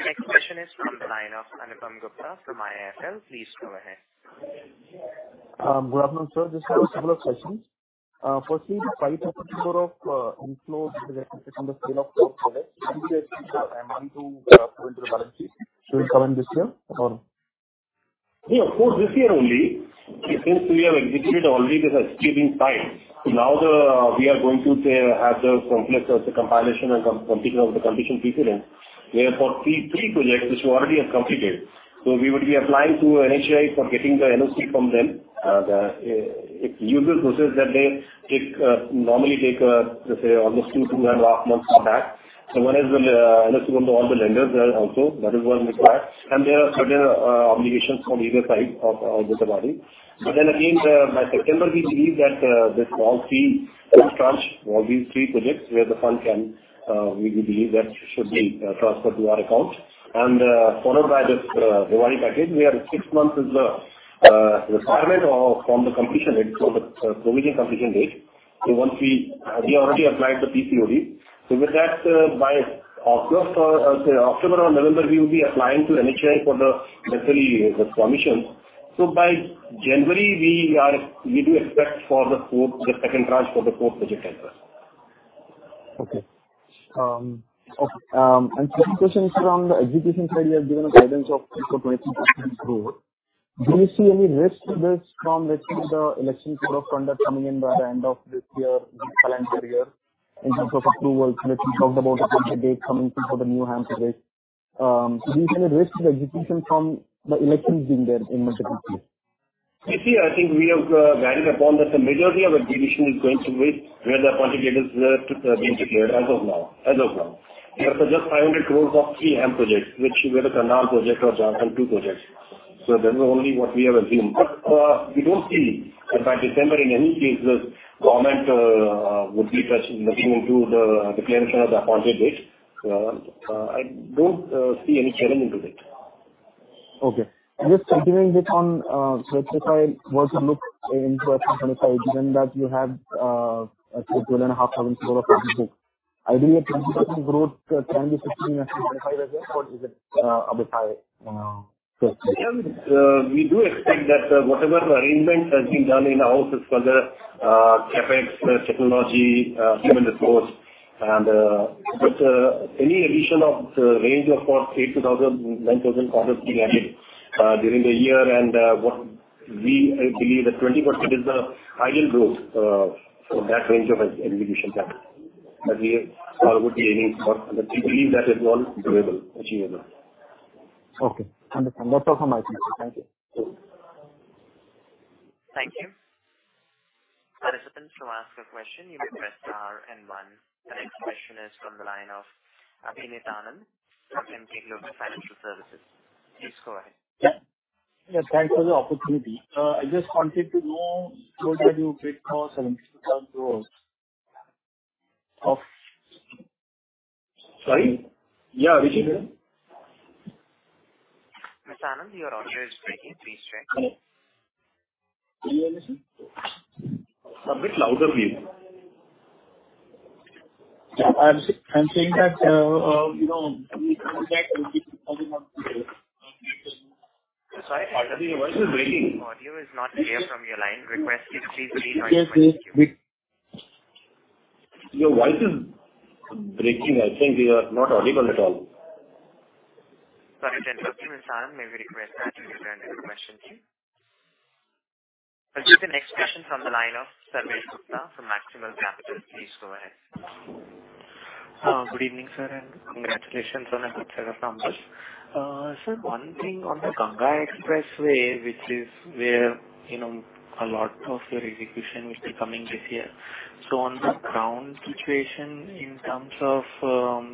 Next question is from the line of Anupam Gupta from IIFL. Please go ahead. Good afternoon, sir. Just have a couple of questions. Firstly, INR 5,000 crore of inflow from the sale of four projects, and one, two going to the balance sheet. Should we comment this year about?... Yeah, of course, this year only, since we have executed already this escaping time. So now the, we are going to say, have the complex of the compilation and completion of the completion precedent, where for three projects which we already have completed. So we would be applying to NHAI for getting the NOC from them. The usual process that they take, normally take, let's say, almost 2.5 months or back. So one is the NOC from all the lenders there also, that is what is required. And there are certain obligations from either side of the body. But then again, by September, we believe that this all three tranche for these three projects, where the fund can, we believe that should be transferred to our account. Followed by this, Diwali package, we are six months as well, requirement of from the completion date, so the provisional completion date. So once we already applied the PCOD. So with that, by October, say October or November, we will be applying to NHAI for the literally the permission. So by January, we do expect for the fourth, the second tranche for the fourth project tender. And second question is from the execution side, you have given a guidance of 20% growth. Do you see any risk to this from, let's say, the election sort of fund that coming in by the end of this year, the current year, in terms of approvals, and if you talked about the AD coming in for the new HAM to date? Do you see any risk to the execution from the elections being there in multiple places? You see, I think we have varied upon this. The majority of execution is going to be where the Appointed Date is to be declared as of now, as of now. We have just 500 crore of HAM projects, which whether Karnal project or Jharkhand 2 projects. So that is only what we have assumed. But we don't see if by December, in any case, the government would be touching, looking into the declaration of the Appointed Date. I don't see any challenge into it. Okay. And just continuing this on, so if I were to look into a 25%, given that you have, let's say, 12,500 crore of books, ideally, a 20% growth can be 15% or 25% again, or is it a bit high? So- Yeah. We do expect that whatever arrangements are being done in-house is for the CapEx, the technology, human resource, and but any addition of the range of 8,000-9,000 crore be added during the year. I believe that 20% is the ideal growth for that range of execution capital. But we... Or would be any, but we believe that is all doable, achievable. Okay, understand. That's all from my side. Thank you. Sure. Thank you. Participants who ask a question, you may press star and one. The next question is from the line of Abhineet Anand from Emkay Global Financial Services. Please go ahead. Yeah. Yeah, thanks for the opportunity. I just wanted to know total you bid for INR 17,000 crore of- Sorry? Yeah, we can't hear you. Mr. Anand, your audio is breaking. Please check. Hello. Can you hear me, sir? A bit louder, please. I'm saying that, you know, Sorry, your voice is breaking. Audio is not clear from your line. Request you to please re-join us. Yes, please. Your voice is breaking. I think you are not audible at all. Sorry, gentlemen. Mr. Anand, may we request that you return the question please? I'll take the next question from the line of Sarvesh Gupta from Maximal Capital. Please go ahead. Good evening, sir, and congratulations on a good set of numbers. Sir, one thing on the Ganga Expressway, which is where, you know, a lot of your execution will be coming this year. On the ground situation, in terms of,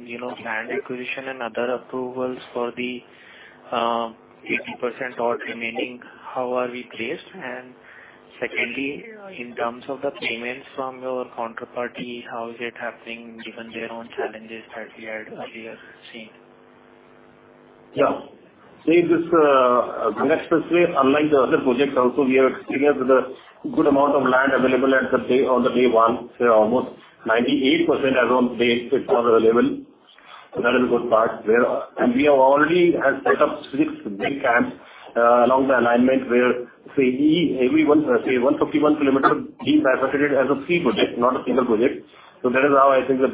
you know, land acquisition and other approvals for the, eighty percent or remaining, how are we placed? And secondly, in terms of the payments from your counterparty, how is it happening, given their own challenges that we had earlier seen? Yeah. So in this Ganga Expressway, unlike the other projects also, we are experienced with a good amount of land available at the day, on the day one. Almost 98% as on date is available. So that is a good part there. And we have already set up six big camps along the alignment, where, say, every one, say, 151 km, is designated as a three project, not a single project. So that is how I think the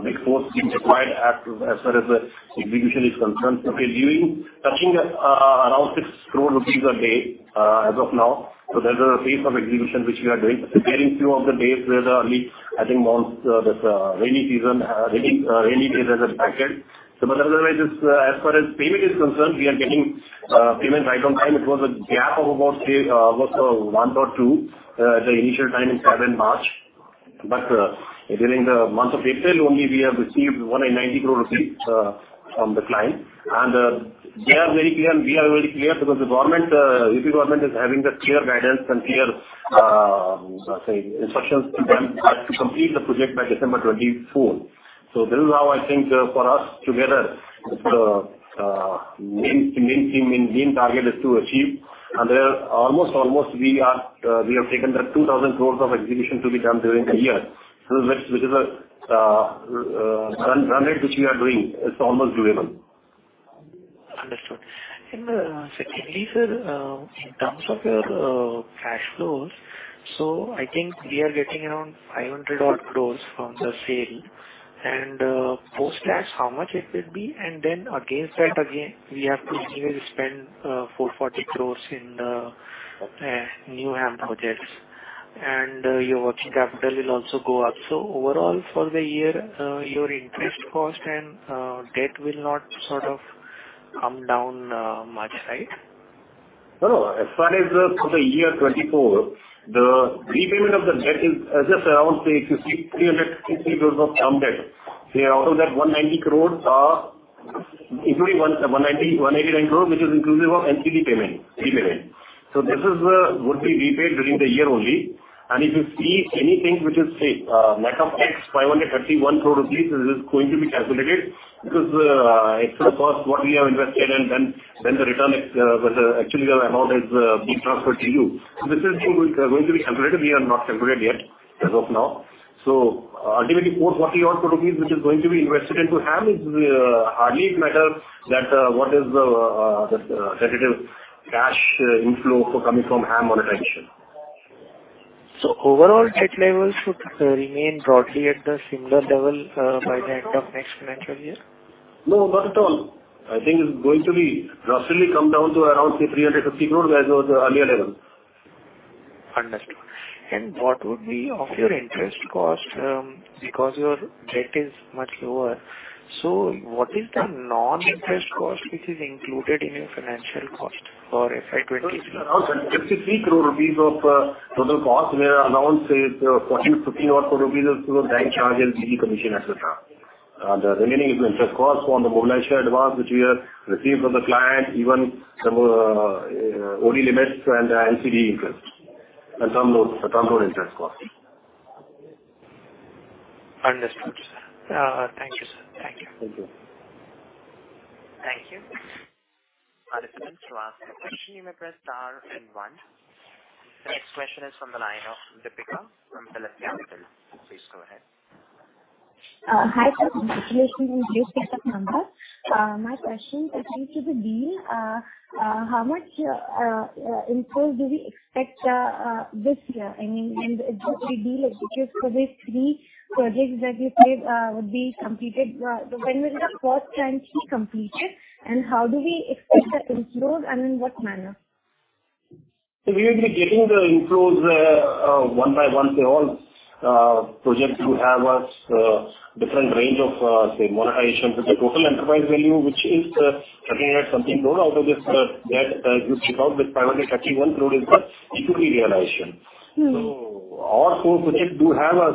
big force being required as far as the execution is concerned. So we're doing, touching around 6 crore rupees a day as of now. So there's a phase of execution which we are doing. There are very few of the days where the, at least, I think, months, this rainy season, rainy days are impacted. But otherwise, as far as payment is concerned, we are getting payments right on time. It was a gap of about one or two the initial time in 7 March. But during the month of April only, we have received 190 crore rupees from the client. And they are very clear, and we are very clear because the UP government is having the clear guidance and clear say instructions to them to complete the project by December 2024. So this is how I think for us together main target is to achieve. And we have almost taken that 2,000 crore of execution to be done during the year. So which is a run rate which we are doing, it's almost doable. Understood. And, secondly, sir, in terms of your cash flows... So I think we are getting around 500-odd crore from the sale, and, post tax, how much it will be? And then against that, again, we have to really spend 440 crore in the new HAM projects. And your working capital will also go up. So overall, for the year, your interest cost and debt will not sort of come down much, right? No, as far as the, for the year 2024, the repayment of the debt is just around, say, if you see 350 crore of term debt. We are out of that 190 crore are including one, 190, 189 crore, which is inclusive of NCD payment, repayment. So this is, would be repaid during the year only. And if you see anything which is, say, lack of X, 531 crore rupees, this is going to be calculated. This is, extra cost, what we have invested, and then, then the return, but actually the amount is, being transferred to you. So this is going to be calculated. We have not calculated yet, as of now. So ultimately, 440 crore rupees, which is going to be invested into HAM, is hardly matter that what is the tentative cash inflow coming from HAM monetization. So overall debt levels should remain broadly at the similar level by the end of next financial year? No, not at all. I think it's going to be roughly come down to around, say, 350 crore, as was the earlier level. Understood. And what would be of your interest cost? Because your debt is much lower. So what is the non-interest cost, which is included in your financial cost for FY 2024? Just a few crore rupees of total cost. We are around, say, INR 40-INR 50 crore of bank charges, fee, commission, etc. The remaining is the interest cost on the mobilization advance, which we have received from the client, even the OD limits and the NCD interest, and some of the total interest cost. Understood, sir. Thank you, sir. Thank you. Thank you. Thank you. Our next to ask a question, you may press star then one. The next question is from the line of Deepika from Phillip Capital. Please go ahead. Hi, sir. Congratulations on the set of numbers. My question relates to the deal. How much inflow do we expect this year? I mean, and the deal is because for these three projects that you said would be completed. When will the first tranche be completed, and how do we expect the inflows, and in what manner? So we will be getting the inflows, one by one. They all projects do have a different range of, say, monetization with the total enterprise value, which is looking at something low out of this debt, as you check out, with 531 crore is the equity realization. Mm-hmm. All four projects do have a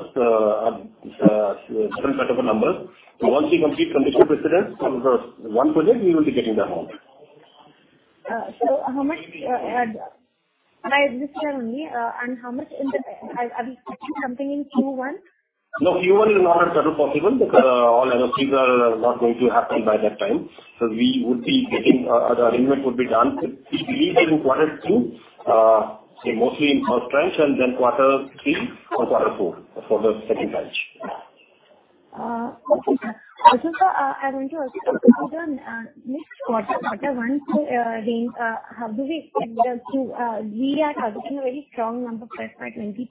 different set of numbers. So once we complete conditional precedence on the one project, we will be getting the amount. So, how much, and I exist here only, and how much are we expecting something in Q1? No, Q1 is not at all possible because all NOCs are not going to happen by that time. So we would be getting, the arrangement would be done, we believe, in quarter two, say, mostly in first tranche, and then quarter three or quarter four for the second tranche. Okay, sir. Also, sir, I want to ask, so the next quarter, quarter one, range, how do we expect us to, we are targeting a very strong number for FY 2022,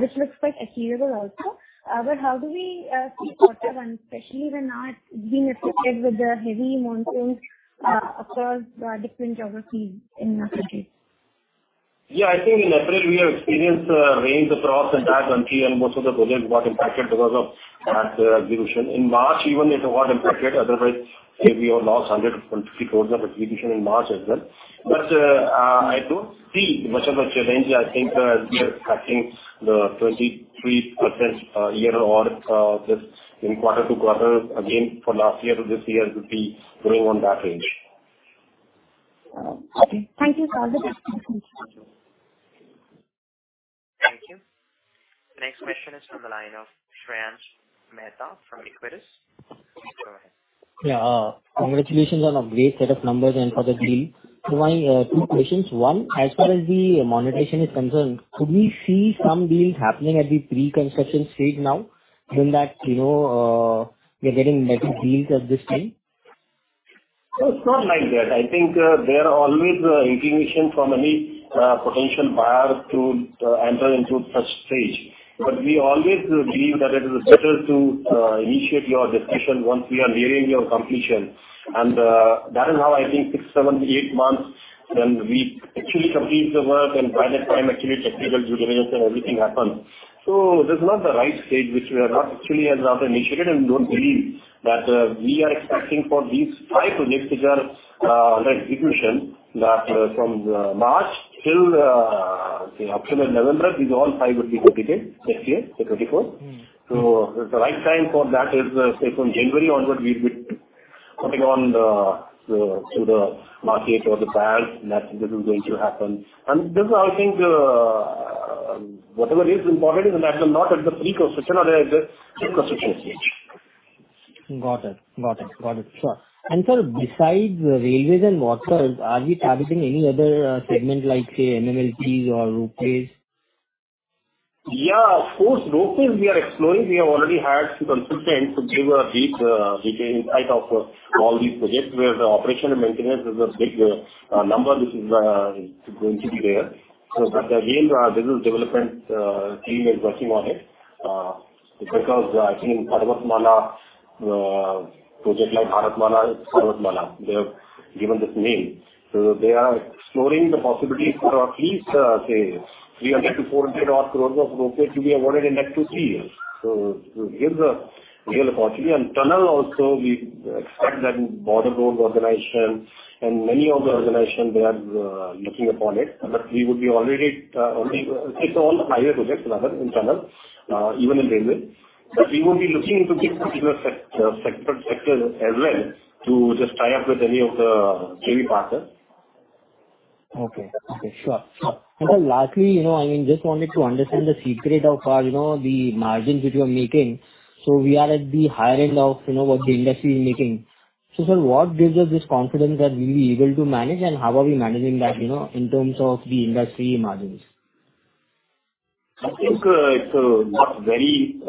which looks quite achievable also. But how do we see quarter one, especially when now it's being affected with the heavy monsoons across the different geographies in our country? Yeah, I think in April we have experienced rains across the entire country, and most of the projects got impacted because of that execution. In March, even it got impacted; otherwise, we would lost 100-120 crores of execution in March as well. But, I don't see much of a challenge here. I think, we are tracking the 23% year-over-year, just in quarter-to-quarter, again, for last year to this year would be growing on that range. Okay. Thank you for all the best answers. Thank you. The next question is from the line of Shreyansh Mehta from Equirus. Please go ahead. Yeah. Congratulations on a great set of numbers and for the deal. So my two questions. One, as far as the monetization is concerned, could we see some deals happening at the pre-construction stage now, given that, you know, we are getting better deals at this time? No, it's not like that. I think, there are always, inclination from any, potential buyer to, enter into such stage. But we always believe that it is better to, initiate your discussion once we are nearing your completion. And, that is how I think six, seven, eight months, then we actually complete the work, and by that time, actually, technical due diligence and everything happens. So this is not the right stage, which we have not actually as of initiated and don't believe that, we are expecting for these five projects, which are, like, execution, that, from, March till, say, October, November, these all five would be completed next year, 2024. Mm-hmm. The right time for that is, say, from January onward, we'd be putting on the to the market or the brands, that this is going to happen. This is, I think, whatever is important is that we're not at the pre-construction or the construction stage. Got it. Got it. Got it. Sure. Sir, besides railways and water, are we targeting any other segment, like, say, MLMTs or roadways? Yeah, of course, locals we are exploring. We have already had some consultants to give a brief, detail inside of all these projects, where the operation and maintenance is a big number, which is going to be there. Our business development team is working on it, because I think Bharatmala, project like Bharatmala, they have given this name. They are exploring the possibility for at least, say, 300 crore-400 crore rupees of roadways to be awarded in next two, three years. Here's a real opportunity. Tunnel also, we expect that Border Road Organization and many of the organization, they are looking upon it. We would be already only take on the higher projects rather in tunnel, even in railway. But we will be looking into this particular sector as well, to just tie up with any of the heavy partner. Okay. Okay, sure. Sir, lastly, you know, I mean, just wanted to understand the secret of, you know, the margins which you are making. So we are at the higher end of, you know, what the industry is making. So sir, what gives us this confidence that we'll be able to manage, and how are we managing that, you know, in terms of the industry margins? I think, it's not very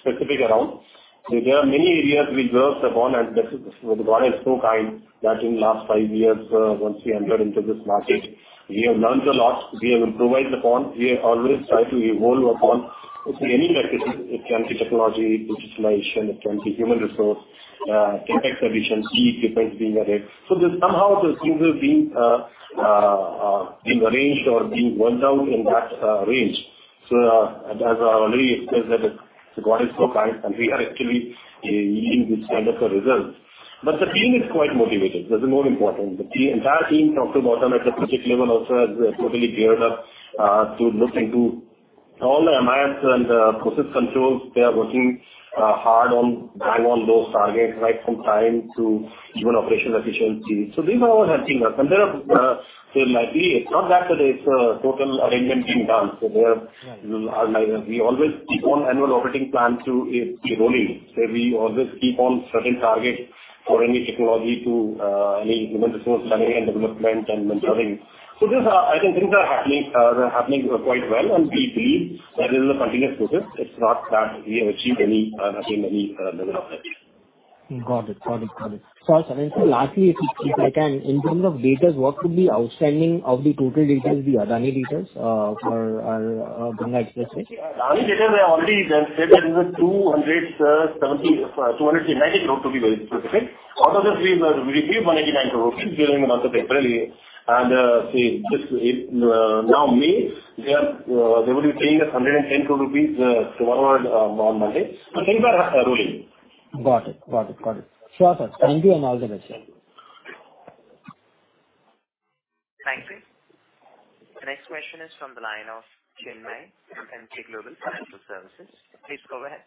specific around. There are many areas we worked upon, and God is so kind that in last five years, once we entered into this market, we have learned a lot, we have improved upon. We always try to evolve upon any method, it can be technology, digitization, it can be human resource, tech exhibition, e-defense being added. So somehow those things have been arranged or being worked out in that range. So, as I already explained, that God is so kind, and we are actually in this kind of a result. But the team is quite motivated. That's more important. The team, entire team from top to bottom at the project level also has totally geared up, to look into all the MIS and, process controls. They are working hard on bang on those targets, right from time to even operational efficiency. So these are all helping us. And there are, so it might be it's not that it's a total arrangement being done. So there are- Right. We always keep on annual operating plan to, keep rolling. So we always keep on certain targets for any technology to, any human resource planning and development and mentoring. So these are—I think things are happening, happening quite well, and we believe that this is a continuous process. It's not that we have achieved any, nothing, any level of it. Got it. Got it, got it. So sir, and so lastly, if you, if I can, in terms of debtors, what could be outstanding of the total debtors, the Adani debtors, for Ganga Expressway? Adani debtors, I already said that it is INR 270 crore, INR 290 crore, to be very specific. Out of this, we paid INR 189 crore during the month of February. This May, they are, they will be paying us 110 crore rupees tomorrow, on Monday. Things are rolling. Got it. Got it, got it. Sure, sir. Thank you, and all the best. Thank you. The next question is from the line of Chennai, NTT Global Financial Services. Please go ahead.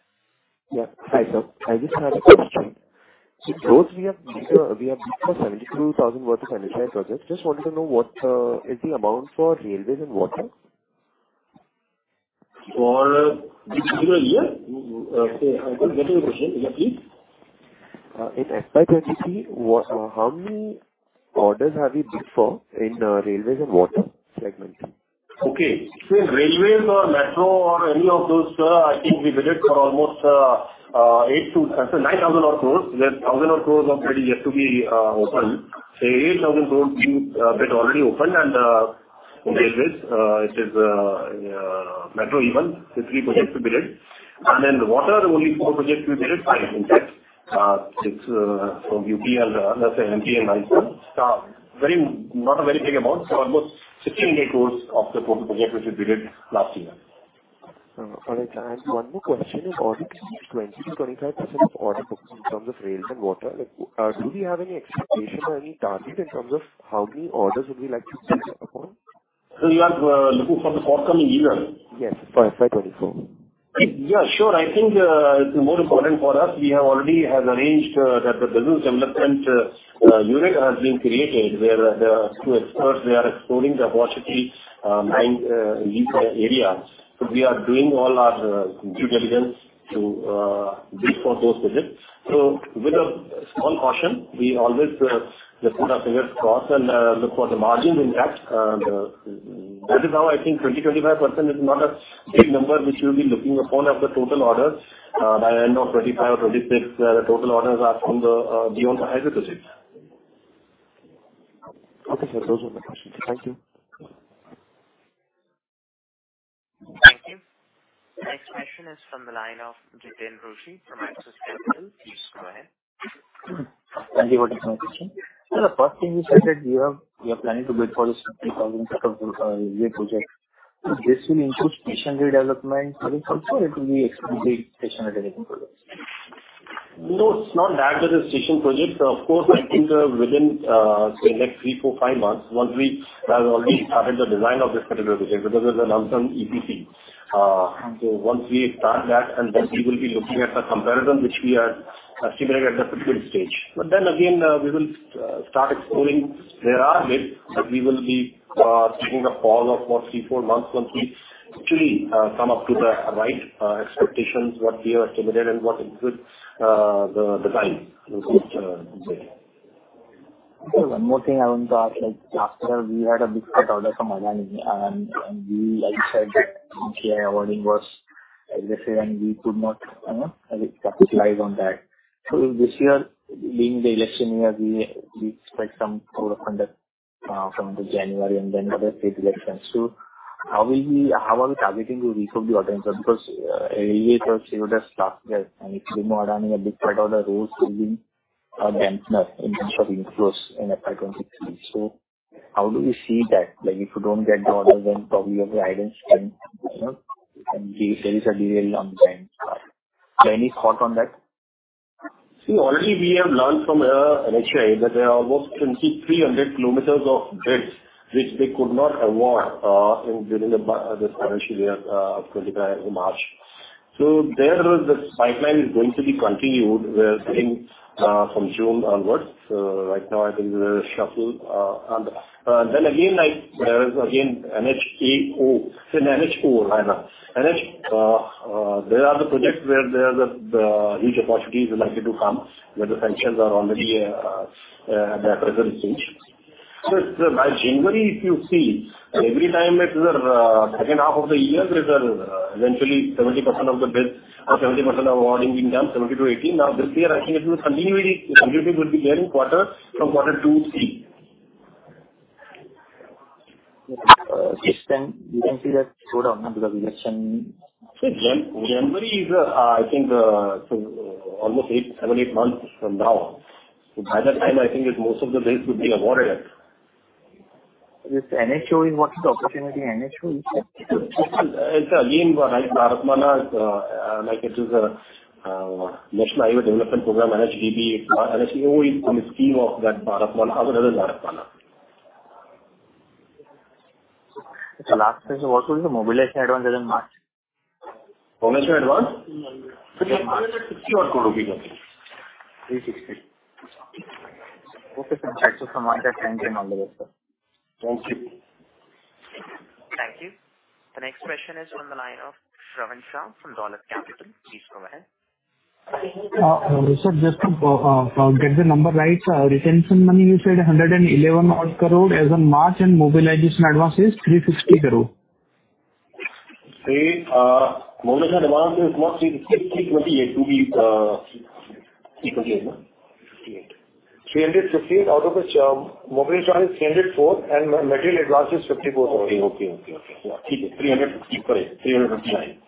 Yeah. Hi, sir. I just had a question. So both we have bid, we have bid for 72,000 worth of identified projects. Just wanted to know what is the amount for railways and water? For the particular year? Say, I don't get your question. Exactly? In FY 2023, what, how many orders have you bid for in railways and water segment? Okay. So in railways or metro or any of those, I think we bidded for almost, eight to, sorry, 9,000-odd crores, worth 1,000-odd crores of credit yet to be opened. Say 8,000 crores bid already opened, and it is metro even, the three projects we bidded. And then the water, only four projects we bidded, I think that it's from UTL, say, MP and Mysore. Very, not a very big amount, so almost 168 crores of the total project, which we bidded last year. All right. And one more question is, EPC is 20-25% of order books in terms of rails and water. Do we have any expectation or any target in terms of how many orders would we like to bid upon? You are looking for the forthcoming year? Yes, for FY 2024. Yeah, sure. I think, it's more important for us. We have already have arranged, that the business development unit has been created, where the two experts, they are exploring the opportunity, nine, each areas. So we are doing all our due diligence to, bid for those projects. So with a small caution, we always, look at our figures cost and, look for the margins in that. That is how I think 25% is not a big number, which we'll be looking upon at the total orders. By the end of 2025 or 2026, the total orders are from the, beyond the higher projects. Okay, sir. Those were the questions. Thank you. Thank you. Next question is from the line of Jiten Rushi from Axis Capital. Please go ahead. Thank you for the question. So the first thing you said that you have, you are planning to bid for the INR 70,000 crore railway project. So this will include station redevelopment, I think also it will be exclusively station redevelopment projects? No, it's not that with the station projects. Of course, I think, within, say, next three, four, five months, once we have already started the design of this particular project, because there's an ongoing EPC. So once we start that, and then we will be looking at the comparison, which we are estimating at the present stage. But then again, we will start exploring. There are bids, but we will be taking a call of what, three, four months, once we actually come up to the right expectations, what we have estimated and what include the time, say. One more thing I want to ask, like, after we had a big cut order from Adani, and, like you said, that NHAI awarding was, as I say, and we could not, you know, capitalize on that. This year, being the election year, we expect some sort of conduct from January and then other state elections. How are we targeting to recover the order? Because, as you would have started there, and if you know Adani, a big part of the roads will be a dampener in terms of inflows in FY 2023. How do you see that? Like, if you do not get the order, then probably your guidance can, you know, and there is a delay on the time. Any thought on that? See, already we have learned from NHAI that there are almost 2,300 kilometers of grids, which they could not award in during the this financial year, twenty-nine in March. So there, the pipeline is going to be continued. We're getting from June onwards. Right now, I think there is a shuffle. And then again, like, there is again NHAI, it's an NHAI, right now. NH, there are the projects where there the huge opportunities are likely to come, where the sanctions are already at the present stage. So by January, if you see, every time it is second half of the year, there's eventually 70% of the bids or 70% of awarding being done, 70%-80%. Now, this year, I think it will continue, continuing to be there in quarter from quarter 2 to 3. Yes, then you can see that slowdown now because election. January is, I think, so almost 7-8 months from now. By that time, I think that most of the bids would be awarded. This NHAI, what is the opportunity, NHAI is? It's again, like Bharatmala, like it is a National Highway Development Program, NHDP. NHO is on the scheme of that Bharatmala, other than Bharatmala. Last question, what was the mobilization advance as in March? Mobilization advance? INR 360 odd crore. 360. Okay, sir. Thanks for some answer, and all the best, sir. Thank you. Thank you. The next question is on the line of Shravan Shah from Dolat Capital. Please go ahead. Sir, just to get the number right, retention money, you said 111 odd crore as on March, and mobilization advance is 350 crore. See, mobilization advance is not 350 crore, 328 crore to be... INR 328 crore, no? 358 crore. INR 358 crore, out of which, mobilization is 304 crore, and material advance is 54 crore. Okay, okay, okay. Yeah, 359 crore. Correct, INR 359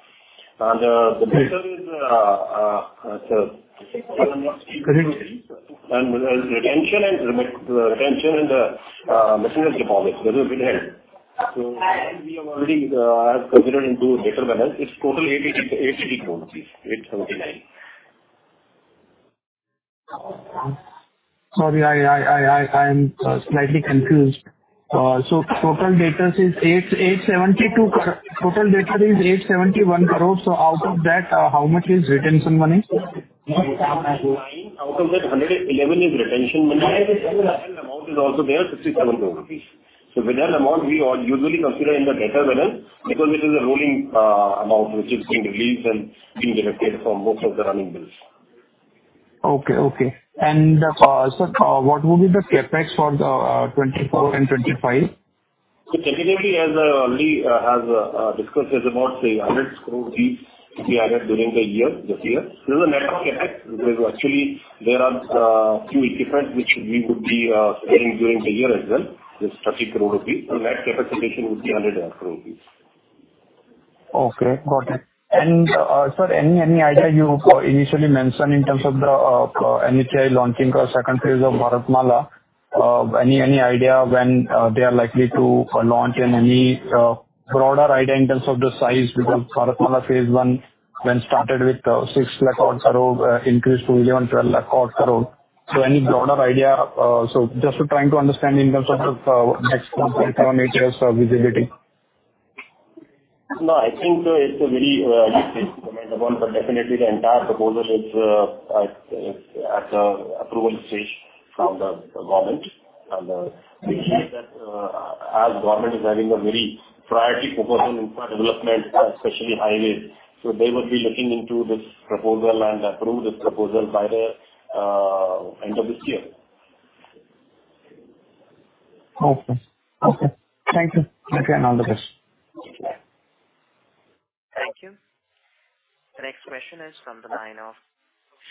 crore. The data is, sir. Retention and retention and material deposits, that is behind. We have already considered into data balance. It's total 80 crore rupees, please. 879 crore. Sorry, I'm slightly confused. So total debtors is 872 crore. Total debtor is 871 crore, so out of that, how much is retention money? Out of that, 111 crore is retention money. Amount is also there, 67 crore rupees. So with that amount, we all usually consider in the better balance, because it is a rolling, amount which is being released and being deducted from most of the running bills. Okay, okay. And, sir, what would be the CapEx for the 2024 and 2025? So definitely, as Lee has discussed, is about the 100 crore we added during the year, this year. This is a net of CapEx, because actually there are few equipment which we would be selling during the year as well. This 30 crore rupees, and that representation would be 100 crore rupees. Okay, got it. And, sir, any, any idea you initially mentioned in terms of the NHAI launching the second phase of Bharatmala? Any, any idea when they are likely to launch and any broader idea in terms of the size? Because Bharatmala phase one, when started with six lakh odd crore, increased to 11-12 lakh odd crore. So any broader idea? So just to trying to understand in terms of the next 1-7 years of visibility. No, I think it's a very, unique one, but definitely the entire proposal is, at, is at the approval stage from the, the government. And, we hear that, as government is having a very priority proposal in infrastructure development, especially highways, so they would be looking into this proposal and approve this proposal by the, end of this year. Okay. Okay, thank you. Thank you, and all the best. Thank you. The next question is from the line of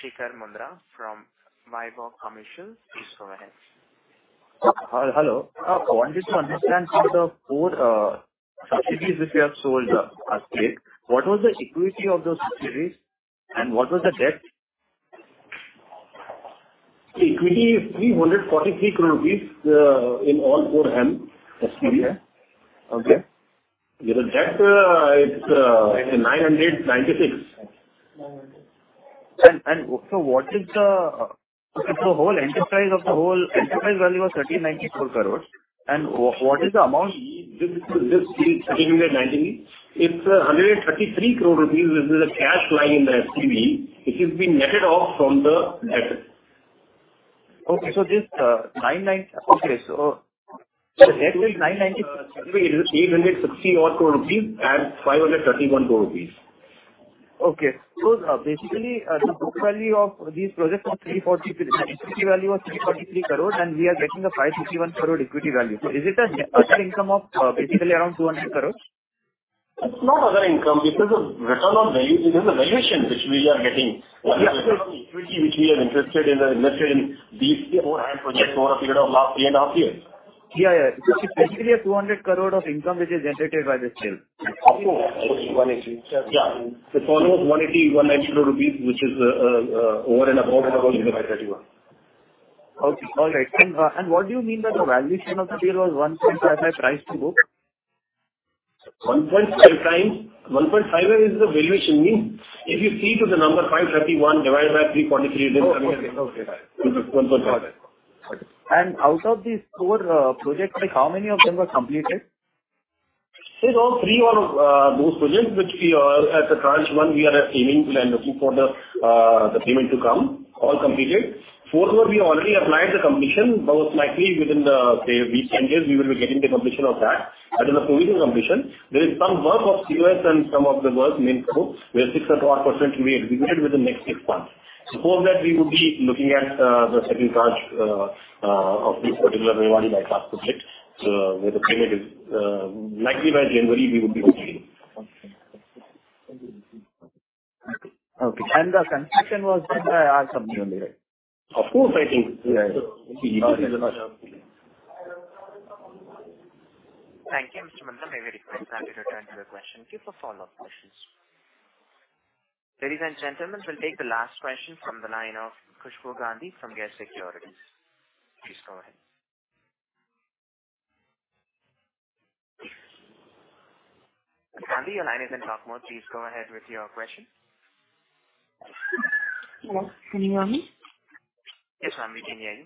Shikhar Mundra from Vivog Commercial. Please go ahead. Hi, hello. I wanted to understand from the four subsidiaries which you have sold as yet, what was the equity of those subsidiaries, and what was the debt? Equity is 343 crore rupees in all four HAM SPVs. Okay. The debt is 996. So what is the... If the whole enterprise of the whole, enterprise value of 1,394 crore, and what is the amount this 390? It's 133 crore rupees, which is a cash lying in the SPV, which has been netted off from the debt. Okay, so the debt is INR 990- It is INR 860-odd crore and INR 531 crore.... Okay. So, basically, the book value of these projects was 343 crore, the equity value was 343 crore, and we are getting an 551 crore equity value. So is it a separate income of, basically, around 200 crore? It's not other income, it is a return on value. It is a valuation which we are getting. Equity, which we are interested in, invested in these four HAM projects over a period of last three and a half years. Yeah, yeah. So it's basically 200 crore of income which is generated by this deal. Of course, INR 180. Yeah. It's almost 180-190 crore rupees, which is over and above the total income by INR 31 crore. Okay. All right. And what do you mean by the valuation of the deal was 1.5 price to book? 1.5x... 1.5x is the valuation means, if you see to the number 531 divided by 343- Oh, okay. Okay, got it. 1.5x. Got it. And out of these four projects, like, how many of them are completed? All three of those projects which we are at the tranche one, we are aiming and looking for the payment to come, all completed. Fourth one, we already applied the commission, but likely within the, say, weekend days, we will be getting the completion of that. That is a provision commission. There is some work of COS and some of the work in scope, where 6% to 4% will be executed within the next six months. For that, we would be looking at the second tranche of this particular Rewari bypass project, where the payment is likely by January, we would be receiving. Okay. The transaction was done, as of January, right? Of course, I think, yeah. Thank you, Mr. Mundra. We very much happy to attend to your question. Cue for follow-up questions. Ladies and gentlemen, we'll take the last question from the line of Khushbu Gandhi from YES Securities. Please go ahead. Gandhi, your line is in talk mode. Please go ahead with your question. Hello, can you hear me? Yes, ma'am, we can hear you.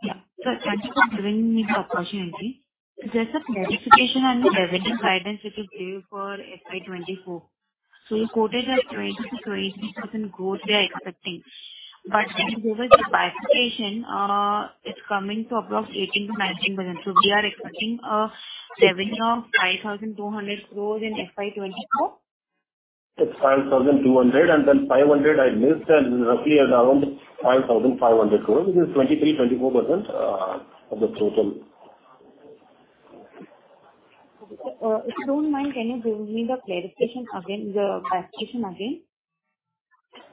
Yeah. So thank you for giving me the opportunity. Just a clarification on the revenue guidance that you gave for FY 2024. So you quoted a 20%-22% growth we are expecting, but if you give us the bifurcation, it's coming to approx 18%-19%. So we are expecting a revenue of 5,200 crore in FY 2024? It's 5,200, and then 500 I missed, and roughly around 5,500 crores, which is 23%-24% of the total. Okay. Sir, if you don't mind, can you give me the clarification again, the bifurcation again?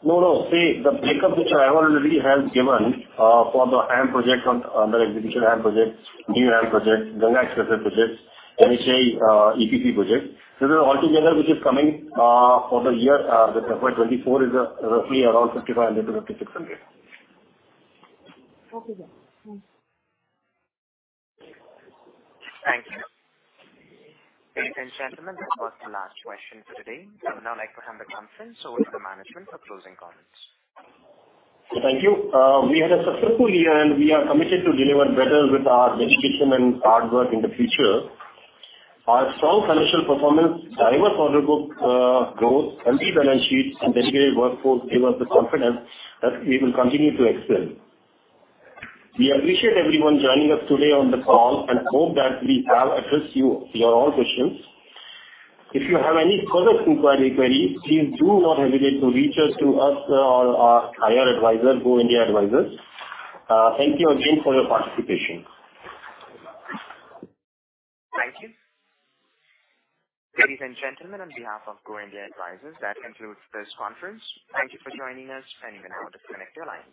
No, no. See, the breakup which I already have given for the HAM project on under execution HAM projects, new HAM projects, Ganga Express projects, NHAI, EPC projects. This is all together, which is coming for the year, the FY 2024, is roughly around 5,500-5,600. Okay, sir. Thanks. Thank you. Ladies and gentlemen, that was the last question for today. I would now like to hand the conference over to the management for closing comments. Thank you. We had a successful year, and we are committed to deliver better with our dedication and hard work in the future. Our strong financial performance, diverse order book, growth, healthy balance sheet, and dedicated workforce give us the confidence that we will continue to excel. We appreciate everyone joining us today on the call and hope that we have addressed your all questions. If you have any further inquiry, query, please do not hesitate to reach us to us or our IR advisor, Go India Advisors. Thank you again for your participation. Thank you. Ladies and gentlemen, on behalf of Go India Advisors, that concludes this conference. Thank you for joining us, and you can now disconnect your lines.